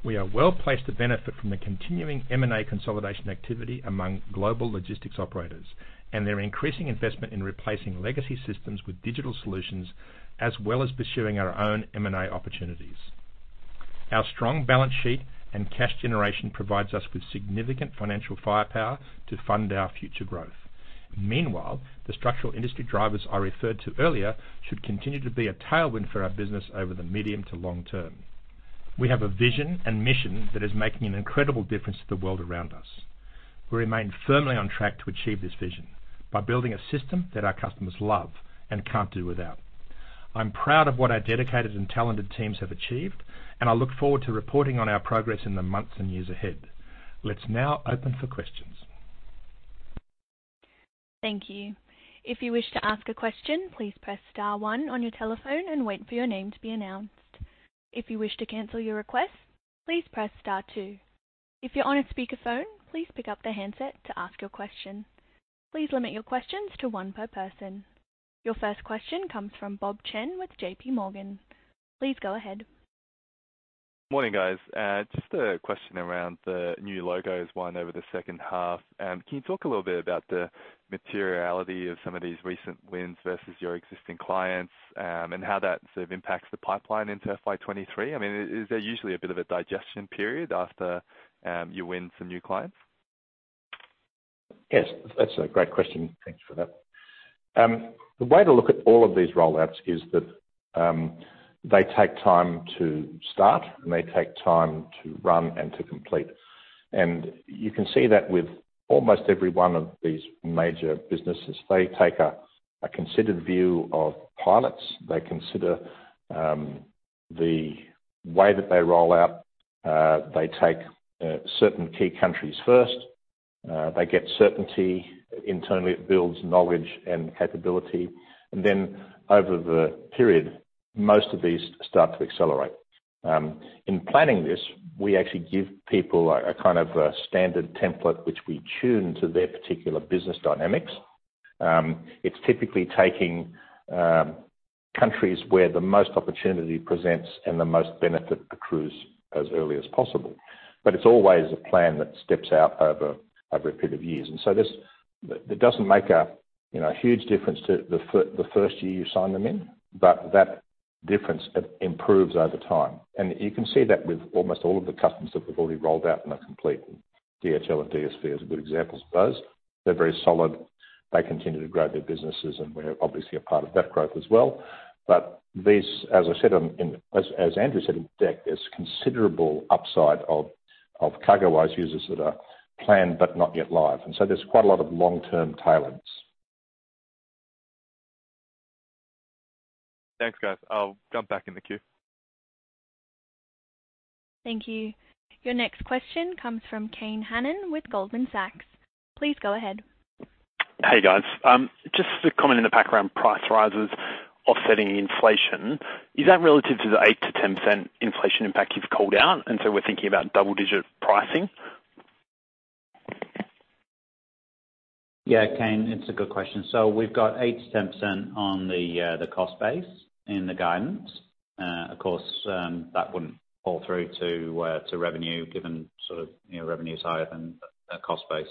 We are well-placed to benefit from the continuing M&A consolidation activity among global logistics operators and their increasing investment in replacing legacy systems with digital solutions, as well as pursuing our own M&A opportunities. Our strong balance sheet and cash generation provides us with significant financial firepower to fund our future growth. Meanwhile, the structural industry drivers I referred to earlier should continue to be a tailwind for our business over the medium to long term. We have a vision and mission that is making an incredible difference to the world around us. We remain firmly on track to achieve this vision by building a system that our customers love and can't do without. I'm proud of what our dedicated and talented teams have achieved, and I look forward to reporting on our progress in the months and years ahead. Let's now open for questions. Thank you. If you wish to ask a question, please press star one on your telephone and wait for your name to be announced. If you wish to cancel your request, please press star two. If you're on a speakerphone, please pick up the handset to ask your question. Please limit your questions to one per person. Your first question comes from Bob Chen with J.P. Morgan. Please go ahead. Morning, guys. Just a question around the new logos won over the second half. Can you talk a little bit about the materiality of some of these recent wins versus your existing clients, and how that sort of impacts the pipeline into FY 2023? I mean, is there usually a bit of a digestion period after you win some new clients? Yes, that's a great question. Thanks for that. The way to look at all of these rollouts is that, they take time to start, and they take time to run and to complete. You can see that with almost every one of these major businesses, they take a considered view of pilots. They consider the way that they roll out. They take certain key countries first. They get certainty. Internally, it builds knowledge and capability. Then over the period, most of these start to accelerate. In planning this, we actually give people a kind of a standard template which we tune to their particular business dynamics. It's typically taking countries where the most opportunity presents and the most benefit accrues as early as possible. It's always a plan that steps out over a period of years. This doesn't make a, you know, huge difference to the first year you sign them in, but that difference improves over time. You can see that with almost all of the customers that we've already rolled out and are complete. DHL and DSV are good examples of those. They're very solid. They continue to grow their businesses, and we're obviously a part of that growth as well. This, as Andrew said in deck, there's considerable upside of CargoWise users that are planned but not yet live. There's quite a lot of long-term tailwinds. Thanks, guys. I'll jump back in the queue. Thank you. Your next question comes from Kane Hannan with Goldman Sachs. Please go ahead. Hey, guys. Just a comment in the background price rises offsetting inflation. Is that relative to the 8%-10% inflation impact you've called out, and so we're thinking about double-digit pricing? Yeah, Kane, it's a good question. We've got 8%-10% on the cost base in the guidance. Of course, that wouldn't fall through to revenue given sort of, you know, revenue is higher than cost base.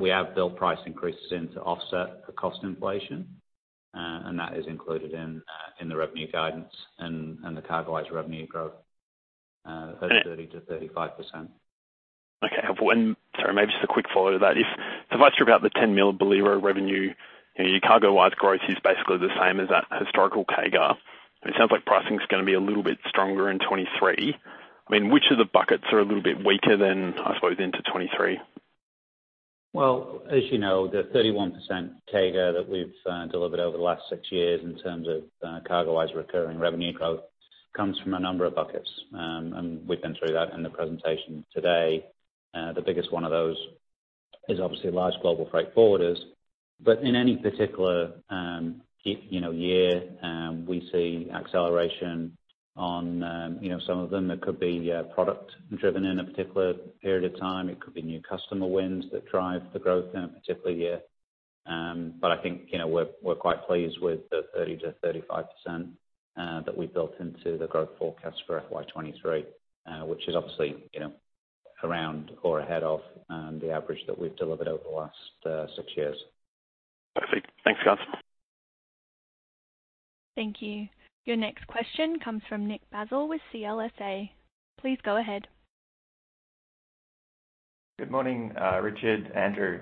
We have built price increases in to offset the cost inflation, and that is included in the revenue guidance and the CargoWise revenue growth of 30%-35%. Okay. Sorry, maybe just a quick follow to that. So if I hear about the 10 million Bolero revenue and your CargoWise growth is basically the same as that historical CAGR, it sounds like pricing is gonna be a little bit stronger in 2023. I mean, which of the buckets are a little bit weaker than, I suppose, into 2023? Well, as you know, the 31% CAGR that we've delivered over the last six years in terms of CargoWise recurring revenue growth comes from a number of buckets. We've been through that in the presentation today. The biggest one of those is obviously large global freight forwarders. In any particular year, you know, we see acceleration on you know, some of them that could be product driven in a particular period of time. It could be new customer wins that drive the growth in a particular year. But I think, you know, we're quite pleased with the 30%-35% that we've built into the growth forecast for FY 2023, which is obviously, you know, around or ahead of the average that we've delivered over the last six years. Perfect. Thanks, guys. Thank you. Your next question comes from Nick Basile with CLSA. Please go ahead. Good morning, Richard, Andrew.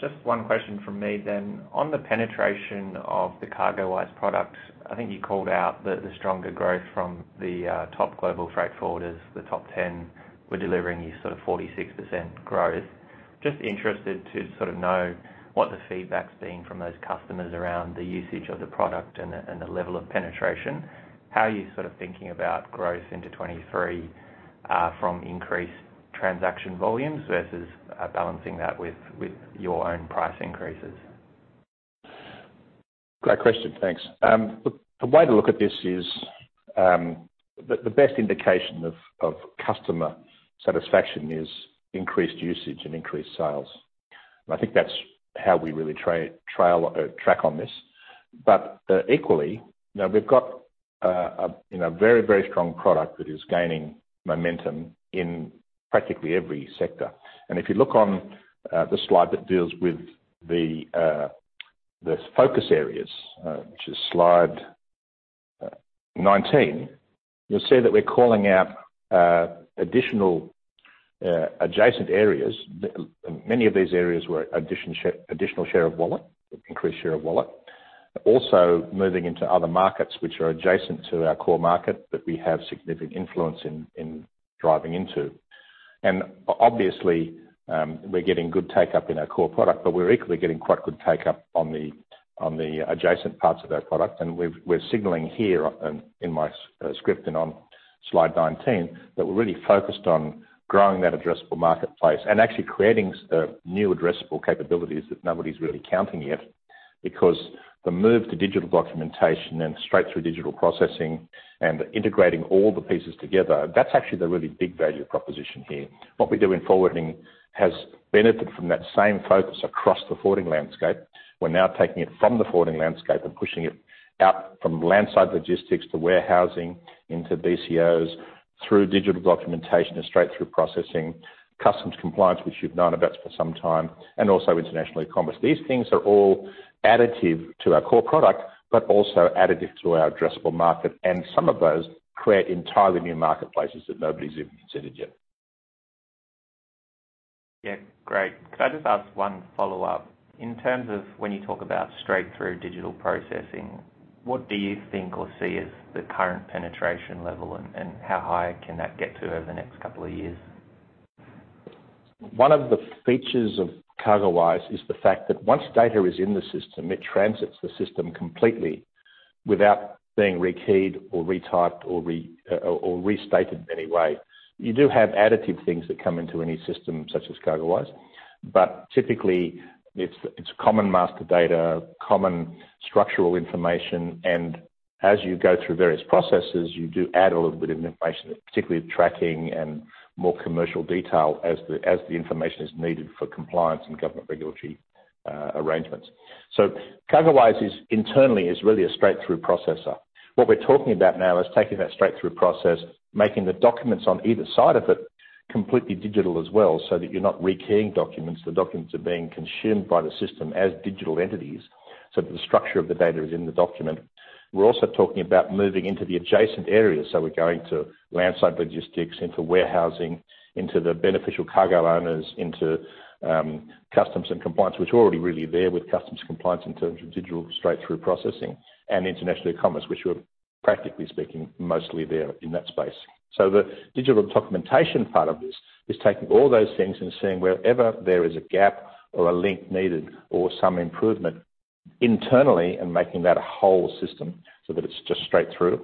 Just one question from me then. On the penetration of the CargoWise product, I think you called out the stronger growth from the top global freight forwarders. The top ten were delivering you sort of 46% growth. Just interested to sort of know what the feedback's been from those customers around the usage of the product and the level of penetration. How are you sort of thinking about growth into 2023 from increased transaction volumes versus balancing that with your own price increases? Great question, thanks. The way to look at this is the best indication of customer satisfaction is increased usage and increased sales. I think that's how we really try to track on this. Equally, now we've got, you know, a very strong product that is gaining momentum in practically every sector. If you look on the slide that deals with the focus areas, which is slide 19, you'll see that we're calling out additional adjacent areas. Many of these areas were additional share of wallet, increased share of wallet. Also moving into other markets which are adjacent to our core market that we have significant influence in driving into. Obviously, we're getting good take-up in our core product, but we're equally getting quite good take-up on the adjacent parts of our product. We're signaling here in my script and on slide 19, that we're really focused on growing that addressable marketplace and actually creating new addressable capabilities that nobody's really counting yet. Because the move to digital documentation and straight-through digital processing and integrating all the pieces together, that's actually the really big value proposition here. What we do in forwarding has benefited from that same focus across the forwarding landscape. We're now taking it from the forwarding landscape and pushing it out from landside logistics to warehousing, into BCOs, through digital documentation and straight-through processing, customs compliance, which you've known about for some time, and also international commerce. These things are all additive to our core product, but also additive to our addressable market, and some of those create entirely new marketplaces that nobody's even considered yet. Yeah. Great. Could I just ask one follow-up? In terms of when you talk about straight-through digital processing, what do you think or see as the current penetration level and how high can that get to over the next couple of years? One of the features of CargoWise is the fact that once data is in the system, it transits the system completely without being rekeyed or retyped or restated in any way. You do have additive things that come into any system such as CargoWise, but typically it's common master data, common structural information, and as you go through various processes, you do add a little bit of information, particularly the tracking and more commercial detail as the information is needed for compliance and government regulatory arrangements. CargoWise is internally really a straight-through processor. What we're talking about now is taking that straight-through process, making the documents on either side of it completely digital as well, so that you're not rekeying documents. The documents are being consumed by the system as digital entities, so the structure of the data is in the document. We're also talking about moving into the adjacent areas. We're going to landside logistics, into warehousing, into the beneficial cargo owners, into customs and compliance, which we're already really there with customs compliance in terms of digital straight-through processing and international commerce, which we're practically speaking mostly there in that space. The digital documentation part of this is taking all those things and seeing wherever there is a gap or a link needed or some improvement internally, and making that a whole system so that it's just straight through.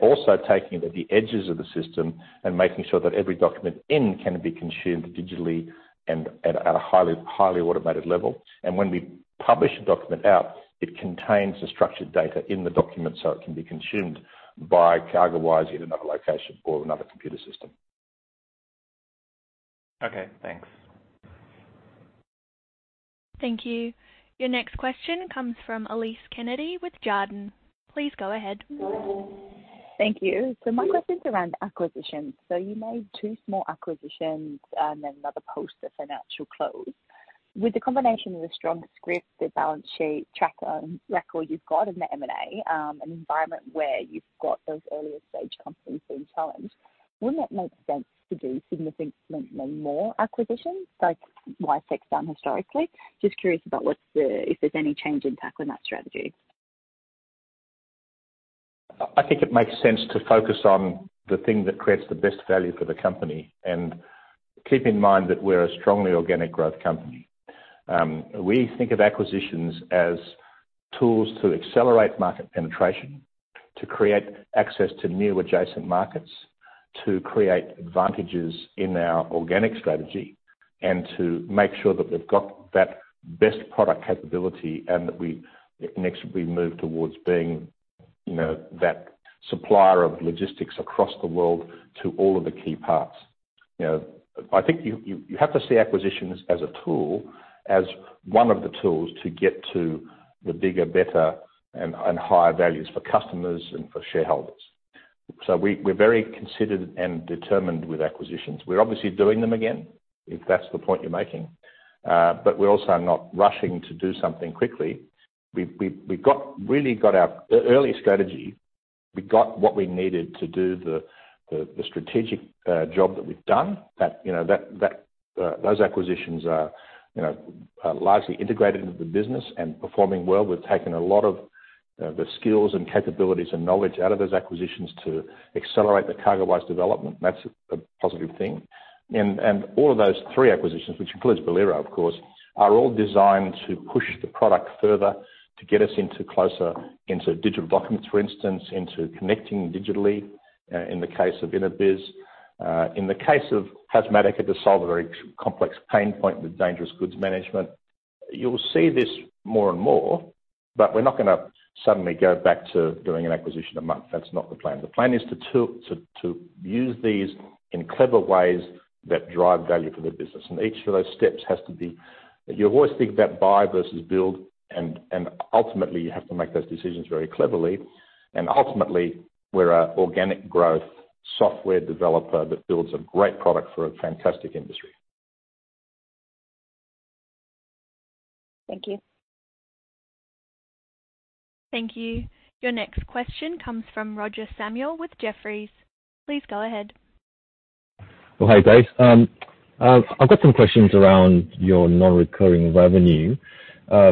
Also taking the edges of the system and making sure that every document in can be consumed digitally and at a highly automated level. When we publish a document out, it contains the structured data in the document so it can be consumed by CargoWise in another location or another computer system. Okay, thanks. Thank you. Your next question comes from Elise Kennedy with Jarden. Please go ahead. Thank you. My question's around acquisition. You made two small acquisitions and then another post the financial year close. With the combination of a strong cash position, the balance sheet track record you've got in the M&A, an environment where you've got those earlier stage companies being challenged, wouldn't it make sense to do significantly more acquisitions like WiseTech's done historically? Just curious about what's the, if there's any change in tack on that strategy. I think it makes sense to focus on the thing that creates the best value for the company, and keep in mind that we're a strongly organic growth company. We think of acquisitions as tools to accelerate market penetration, to create access to new adjacent markets, to create advantages in our organic strategy, and to make sure that we've got that best product capability and that next we move towards being, you know, that supplier of logistics across the world to all of the key parts. You know, I think you have to see acquisitions as a tool, as one of the tools to get to the bigger, better and higher values for customers and for shareholders. We're very considered and determined with acquisitions. We're obviously doing them again, if that's the point you're making. We're also not rushing to do something quickly. We've really got our early strategy. We got what we needed to do the strategic job that we've done, you know, those acquisitions are, you know, largely integrated into the business and performing well. We've taken a lot of the skills and capabilities and knowledge out of those acquisitions to accelerate the CargoWise development. That's a positive thing. All of those three acquisitions, which includes Bolero, of course, are all designed to push the product further to get us closer to digital documents, for instance, into connecting digitally, in the case of Inobiz. In the case of Hazmatica, to solve a very complex pain point with dangerous goods management. You'll see this more and more, but we're not gonna suddenly go back to doing an acquisition a month. That's not the plan. The plan is to tool to use these in clever ways that drive value for the business. Each of those steps has to be. You always think about buy versus build, and ultimately, you have to make those decisions very cleverly. Ultimately, we're an organic growth software developer that builds a great product for a fantastic industry. Thank you. Thank you. Your next question comes from Roger Samuel with Jefferies. Please go ahead. Hi, Dave. I've got some questions around your non-recurring revenue.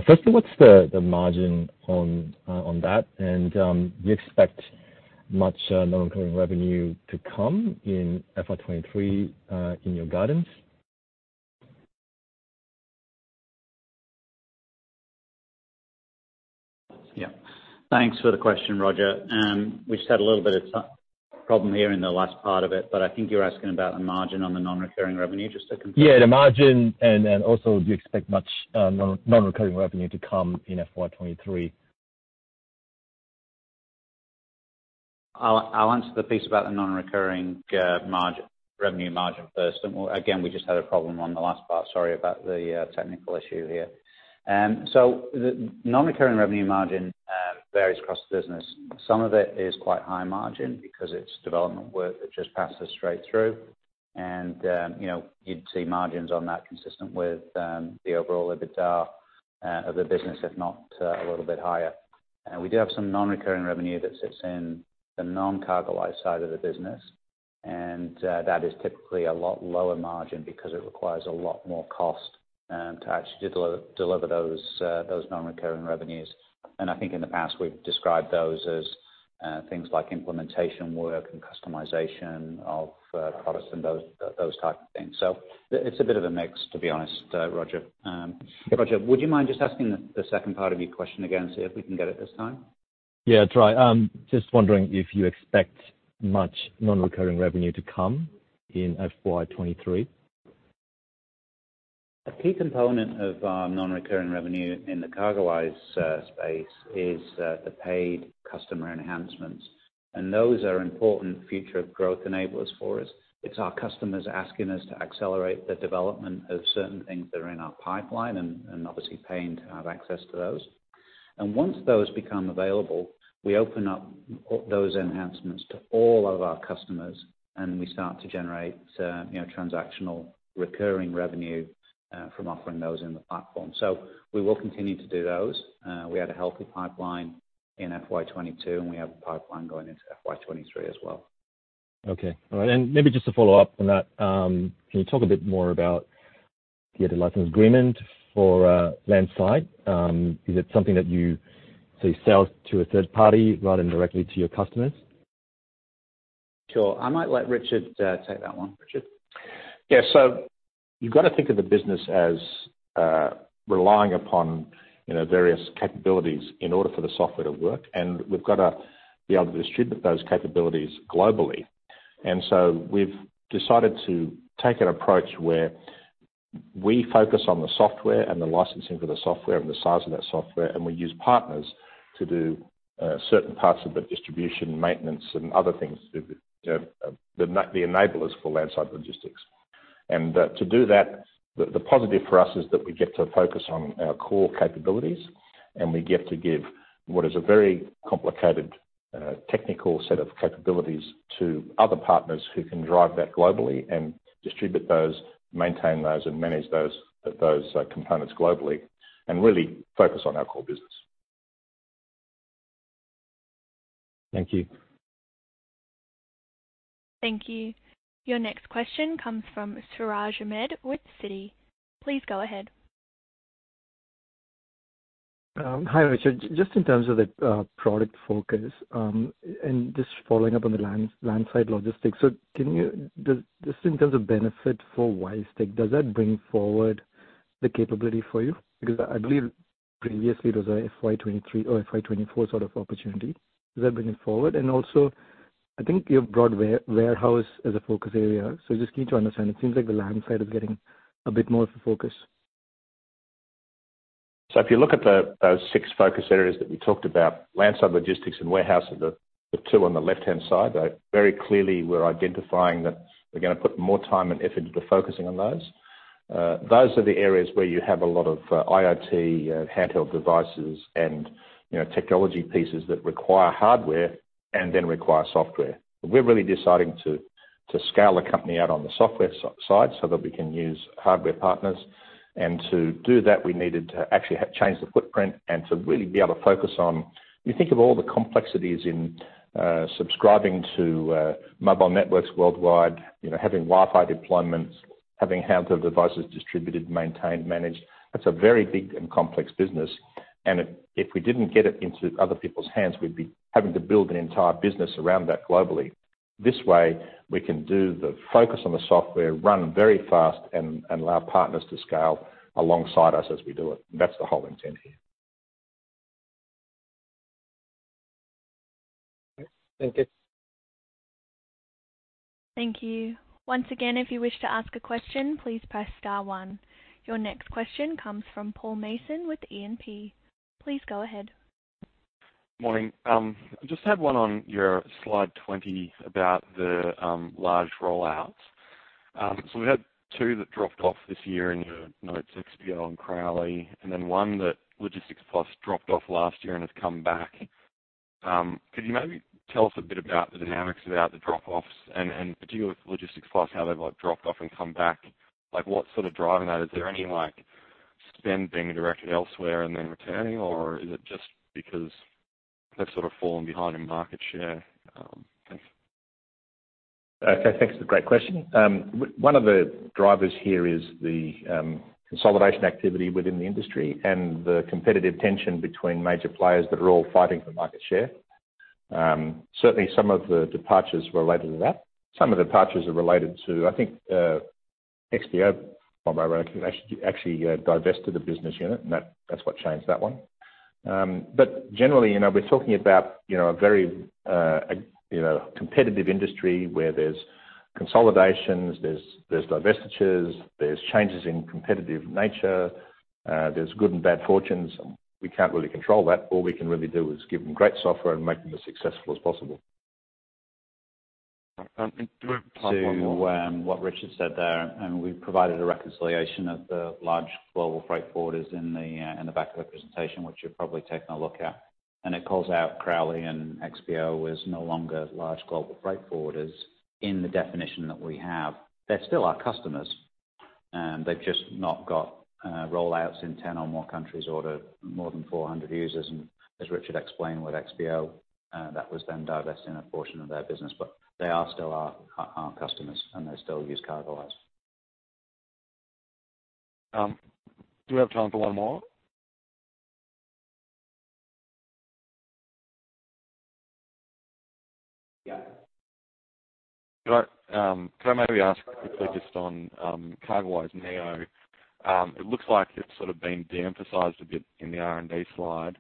Firstly, what's the margin on that? Do you expect much non-recurring revenue to come in FY 2023 in your guidance? Yeah. Thanks for the question, Roger. We just had a little bit of some problem here in the last part of it, but I think you're asking about the margin on the non-recurring revenue, just to confirm. Yeah, the margin and also do you expect much non-recurring revenue to come in FY 2023? I'll answer the piece about the non-recurring margin, revenue margin first. Again, we just had a problem on the last part. Sorry about the technical issue here. So the non-recurring revenue margin varies across the business. Some of it is quite high margin because it's development work that just passes straight through. You know, you'd see margins on that consistent with the overall EBITDA of the business, if not a little bit higher. We do have some non-recurring revenue that sits in the non-CargoWise side of the business, and that is typically a lot lower margin because it requires a lot more cost to actually deliver those non-recurring revenues. I think in the past we've described those as things like implementation work and customization of products and those type of things. It's a bit of a mix, to be honest, Roger. Roger, would you mind just asking the second part of your question again, see if we can get it this time? Yeah, try. Just wondering if you expect much non-recurring revenue to come in FY 2023. A key component of our non-recurring revenue in the CargoWise space is the paid customer enhancements. Those are important future growth enablers for us. It's our customers asking us to accelerate the development of certain things that are in our pipeline and obviously paying to have access to those. Once those become available, we open up those enhancements to all of our customers, and we start to generate, you know, transactional recurring revenue from offering those in the platform. We will continue to do those. We had a healthy pipeline in FY 2022, and we have a pipeline going into FY 2023 as well. Okay. All right. Maybe just to follow up on that, can you talk a bit more about the other license agreement for landside? Is it something that you say sell to a third party rather than directly to your customers? Sure. I might let Richard take that one. Richard. Yeah. You've got to think of the business as relying upon, you know, various capabilities in order for the software to work. We've got to be able to distribute those capabilities globally. We've decided to take an approach where we focus on the software and the licensing for the software and the size of that software, and we use partners to do certain parts of the distribution, maintenance, and other things to the enablers for landside logistics. To do that, the positive for us is that we get to focus on our core capabilities, and we get to give what is a very complicated technical set of capabilities to other partners who can drive that globally and distribute those, maintain those, and manage those components globally and really focus on our core business. Thank you. Thank you. Your next question comes from Siraj Ahmed with Citi. Please go ahead. Hi, Richard. Just in terms of the product focus, and just following up on the landside logistics. Does just in terms of benefit for WiseTech, does that bring forward the capability for you? Because I believe previously it was a FY 2023 or FY 2024 sort of opportunity. Does that bring it forward? And also, I think you've brought warehouse as a focus area. Just need to understand, it seems like the landside is getting a bit more of a focus. If you look at those six focus areas that we talked about, landside logistics and warehouse are the two on the left-hand side. They're very clearly we're identifying that we're gonna put more time and effort into focusing on those. Those are the areas where you have a lot of IoT, handheld devices and, you know, technology pieces that require hardware and then require software. We're really deciding to scale the company out on the software side so that we can use hardware partners. To do that, we needed to actually change the footprint and to really be able to focus on. When you think of all the complexities in subscribing to mobile networks worldwide, you know, having Wi-Fi deployments, having handheld devices distributed, maintained, managed, that's a very big and complex business. If we didn't get it into other people's hands, we'd be having to build an entire business around that globally. This way, we can do the focus on the software, run very fast and allow partners to scale alongside us as we do it. That's the whole intent here. Thank you. Thank you. Once again, if you wish to ask a question, please press star one. Your next question comes from Paul Mason with E&P. Please go ahead. Morning. I just had one on your slide 20 about the large rollouts. We had two that dropped off this year in your notes, XPO and Crowley, and then one that Logistics Plus dropped off last year and has come back. Could you maybe tell us a bit about the dynamics about the drop-offs and particularly with Logistics Plus, how they've like dropped off and come back? Like, what's sort of driving that? Is there any like spend being directed elsewhere and then returning, or is it just because they've sort of fallen behind in market share? Thanks. Okay, thanks for the great question. One of the drivers here is the consolidation activity within the industry and the competitive tension between major players that are all fighting for market share. Certainly some of the departures were related to that. Some of the departures are related to, I think, XPO, if I'm right, actually, divested a business unit, and that's what changed that one. Generally, you know, we're talking about, you know, a very, you know, competitive industry where there's consolidations, there's divestitures, there's changes in competitive nature, there's good and bad fortunes. We can't really control that. All we can really do is give them great software and make them as successful as possible. Do we have time for one more? To what Richard said there, and we provided a reconciliation of the large global freight forwarders in the back of the presentation, which you're probably taking a look at. It calls out Crowley and XPO as no longer large global freight forwarders in the definition that we have. They're still our customers, and they've just not got rollouts in 10 or more countries or to more than 400 users. As Richard explained with XPO, that was them divesting a portion of their business. They are still our customers, and they still use CargoWise. Do we have time for one more? Yeah. All right. Can I maybe ask quickly just on, CargoWise Neo. It looks like it's sort of been de-emphasized a bit in the R&D slide.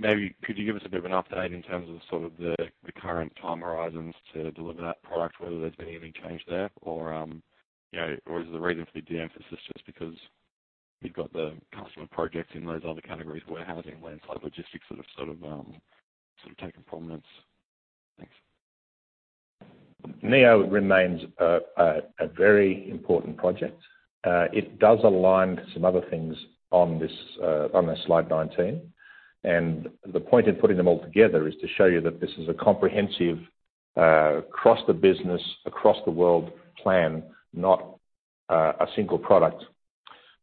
Maybe could you give us a bit of an update in terms of sort of the current time horizons to deliver that product, whether there's been any change there or, you know, or is the reason for the de-emphasis just because you've got the customer projects in those other categories, warehousing, landside logistics that have sort of taken prominence? Thanks. Neo remains a very important project. It does align to some other things on this, on the slide 19. The point in putting them all together is to show you that this is a comprehensive, across the business, across the world plan, not a single product.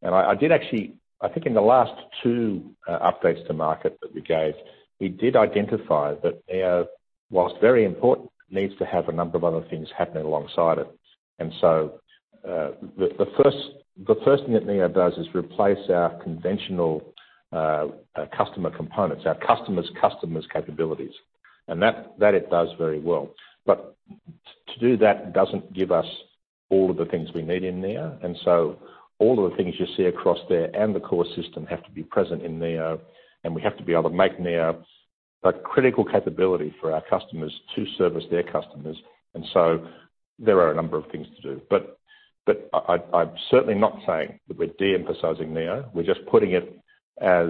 I did actually, I think in the last two updates to market that we gave, we did identify that Neo, whilst very important, needs to have a number of other things happening alongside it. The first thing that Neo does is replace our conventional customer components, our customers customers capabilities. That it does very well. But to do that doesn't give us all of the things we need in there. All of the things you see across there and the core system have to be present in Neo, and we have to be able to make Neo a critical capability for our customers to service their customers. There are a number of things to do. I'm certainly not saying that we're de-emphasizing Neo. We're just putting it as,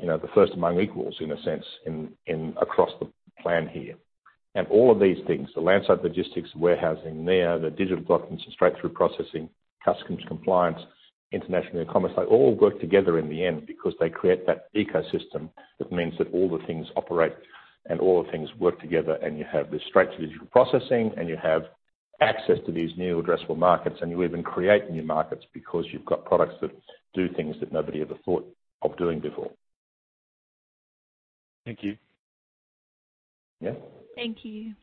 you know, the first among equals in a sense in across the plan here. All of these things, the landside logistics, warehousing, Neo, the digital documents and straight-through processing, customs compliance, international commerce, they all work together in the end because they create that ecosystem that means that all the things operate and all the things work together, and you have this straight-through digital processing, and you have access to these new addressable markets, and you even create new markets because you've got products that do things that nobody ever thought of doing before. Thank you. Yeah. Thank you.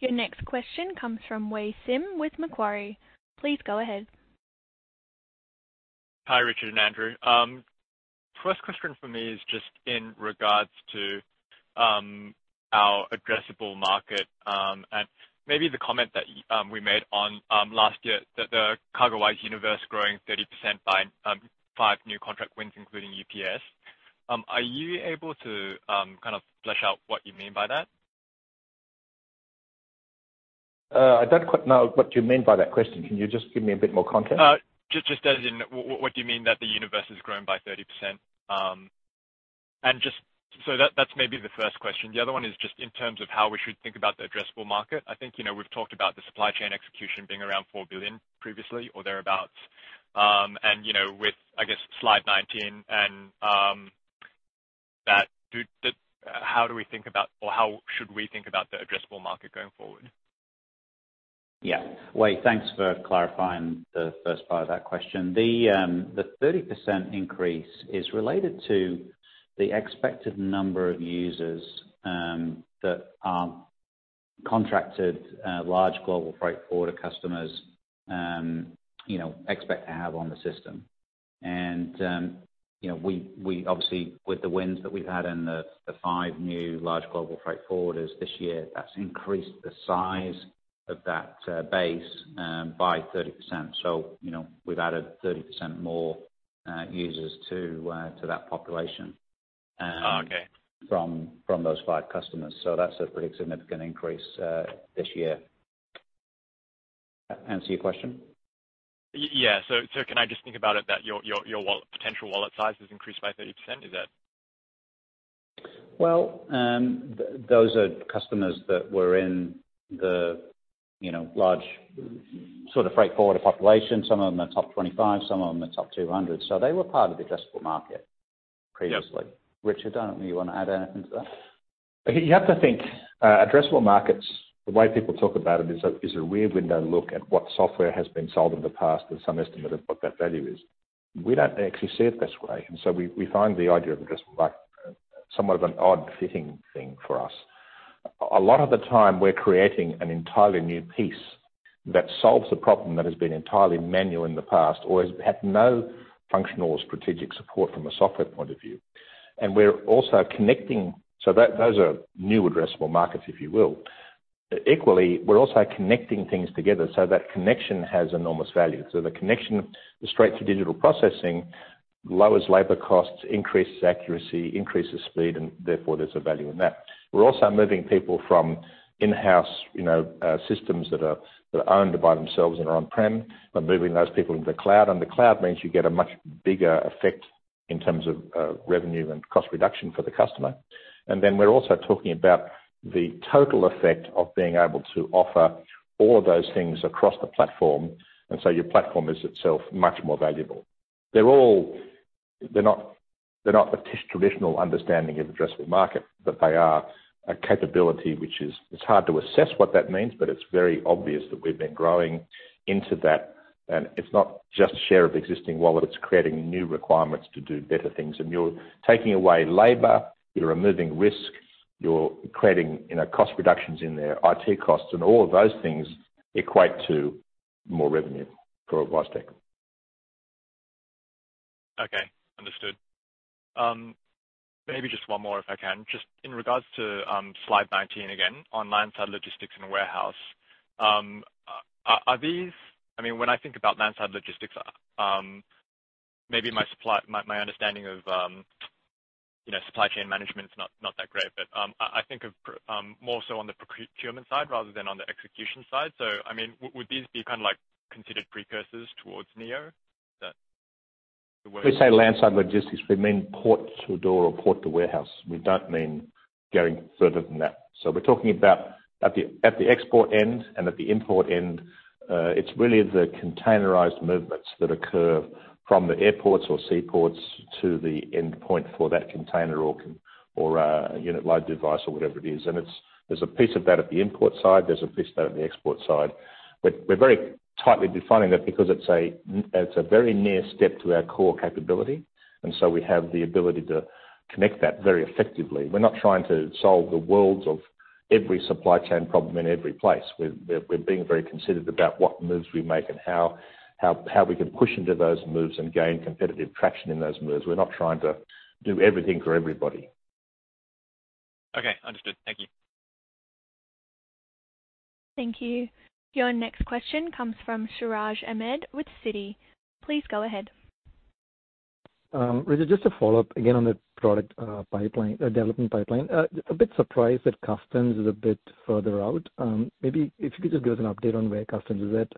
Your next question comes from Wei-Weng Sim with Macquarie. Please go ahead. Hi, Richard and Andrew. First question for me is just in regards to our addressable market, and maybe the comment that we made on last year that the CargoWise universe growing 30% by five new contract wins, including UPS. Are you able to kind of flesh out what you mean by that? I don't quite know what you mean by that question. Can you just give me a bit more context? Just as in what do you mean that the universe has grown by 30%? Just so that's maybe the first question. The other one is just in terms of how we should think about the addressable market. I think, you know, we've talked about the supply chain execution being around 4 billion previously or thereabout. You know, with, I guess, slide 19 and how do we think about or how should we think about the addressable market going forward? Yeah. Wei, thanks for clarifying the first part of that question. The 30% increase is related to the expected number of users that are contracted large global freight forwarder customers you know expect to have on the system. You know, we obviously, with the wins that we've had in the five new large global freight forwarders this year, that's increased the size of that base by 30%. You know, we've added 30% more users to that population. Oh, okay. from those five customers. That's a pretty significant increase, this year. Answer your question? Yeah. Can I just think about it that your potential wallet size has increased by 30%? Is that... Well, those are customers that were in the, you know, large sort of freight forwarder population. Some of them are top 25, some of them are top 200. They were part of the addressable market previously. Yeah. Richard, I don't know you wanna add anything to that. You have to think addressable markets, the way people talk about them is a rearview look at what software has been sold in the past and some estimate of what that value is. We don't actually see it this way. We find the idea of addressable market somewhat of an odd fitting thing for us. A lot of the time, we're creating an entirely new piece that solves a problem that has been entirely manual in the past or has had no functional strategic support from a software point of view. We're also connecting those. Those are new addressable markets, if you will. Equally, we're also connecting things together, so that connection has enormous value. The connection, the straight-through processing, lowers labor costs, increases accuracy, increases speed, and therefore there's a value in that. We're also moving people from in-house, you know, systems that are owned by themselves and are on-prem, by moving those people into the cloud. The cloud means you get a much bigger effect in terms of revenue and cost reduction for the customer. We're also talking about the total effect of being able to offer all of those things across the platform, and so your platform is itself much more valuable. They're not the traditional understanding of addressable market, but they are a capability. It's hard to assess what that means, but it's very obvious that we've been growing into that. It's not just share of existing wallet, it's creating new requirements to do better things. You're taking away labor, you're removing risk, you're creating, you know, cost reductions in their IT costs, and all of those things equate to more revenue for WiseTech. Okay. Understood. Maybe just one more if I can. Just in regards to slide 19 again on landside logistics and warehouse. Are these? I mean, when I think about landside logistics, maybe my understanding of, you know, supply chain management is not that great, but I think of more so on the procurement side rather than on the execution side. I mean, would these be kind of like considered precursors toward Neo? We say landside logistics, we mean port to door or port to warehouse. We don't mean going further than that. We're talking about at the export end and at the import end, it's really the containerized movements that occur from the airports or seaports to the endpoint for that container or a unit load device or whatever it is. There's a piece of that at the import side, there's a piece of that at the export side. We're very tightly defining that because it's a very near step to our core capability, and so we have the ability to connect that very effectively. We're not trying to solve the world's of every supply chain problem in every place. We're being very considered about what moves we make and how we can push into those moves and gain competitive traction in those moves. We're not trying to do everything for everybody. Okay. Understood. Thank you. Thank you. Your next question comes from Siraj Ahmed with Citi. Please go ahead. Richard, just a follow-up, again, on the product pipeline, development pipeline. A bit surprised that customs is a bit further out. Maybe if you could just give us an update on where customs is at,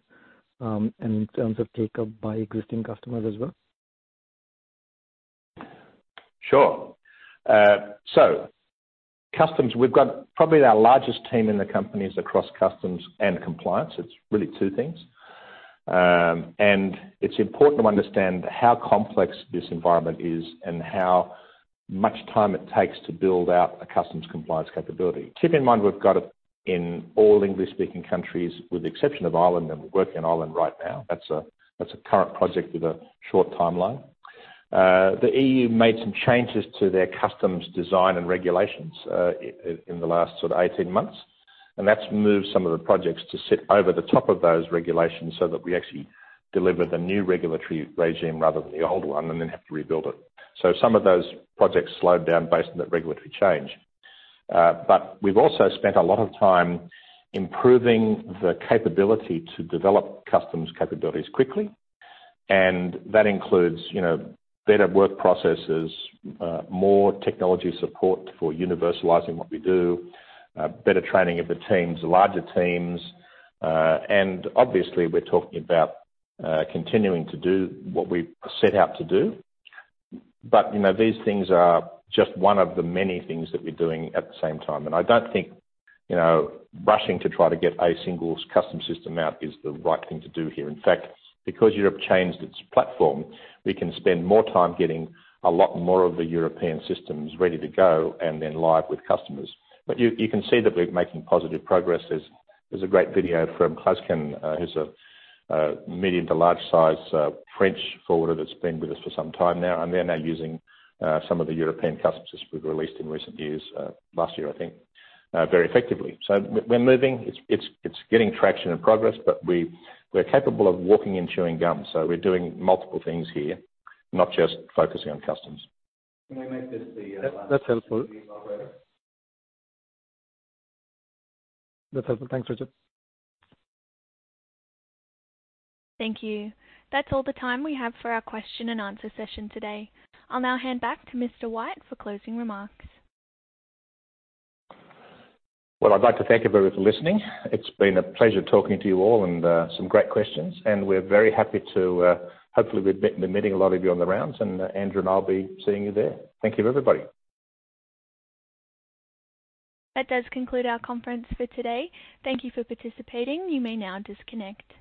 in terms of take-up by existing customers as well. Sure. Customs, we've got probably our largest team in the company is across customs and compliance. It's really two things. It's important to understand how complex this environment is and how much time it takes to build out a customs compliance capability. Keep in mind we've got it in all English-speaking countries with the exception of Ireland, and we're working in Ireland right now. That's a current project with a short timeline. The E.U made some changes to their customs design and regulations in the last sort of 18 months, and that's moved some of the projects to sit over the top of those regulations so that we actually deliver the new regulatory regime rather than the old one and then have to rebuild it. Some of those projects slowed down based on that regulatory change. We've also spent a lot of time improving the capability to develop customs capabilities quickly, and that includes, you know, better work processes, more technology support for universalizing what we do, better training of the teams, larger teams. Obviously, we're talking about continuing to do what we've set out to do. You know, these things are just one of the many things that we're doing at the same time. I don't think, you know, rushing to try to get a single customs system out is the right thing to do here. In fact, because Europe changed its platform, we can spend more time getting a lot more of the European systems ready to go and then live with customers. You can see that we're making positive progress. There's a great video from Clasquin, who's a medium to large size French forwarder that's been with us for some time now, and they're now using some of the European customs systems we've released in recent years, last year, I think, very effectively. We're moving. It's getting traction and progress, but we're capable of walking and chewing gum, so we're doing multiple things here, not just focusing on customs. Can I make this the last question? That's helpful. Thanks, Richard. Thank you. That's all the time we have for our question and answer session today. I'll now hand back to Mr. White for closing remarks. Well, I'd like to thank everybody for listening. It's been a pleasure talking to you all and some great questions. We're very happy to, hopefully, we've been meeting a lot of you on the rounds, and Andrew and I will be seeing you there. Thank you, everybody. That does conclude our conference for today. Thank you for participating. You may now disconnect.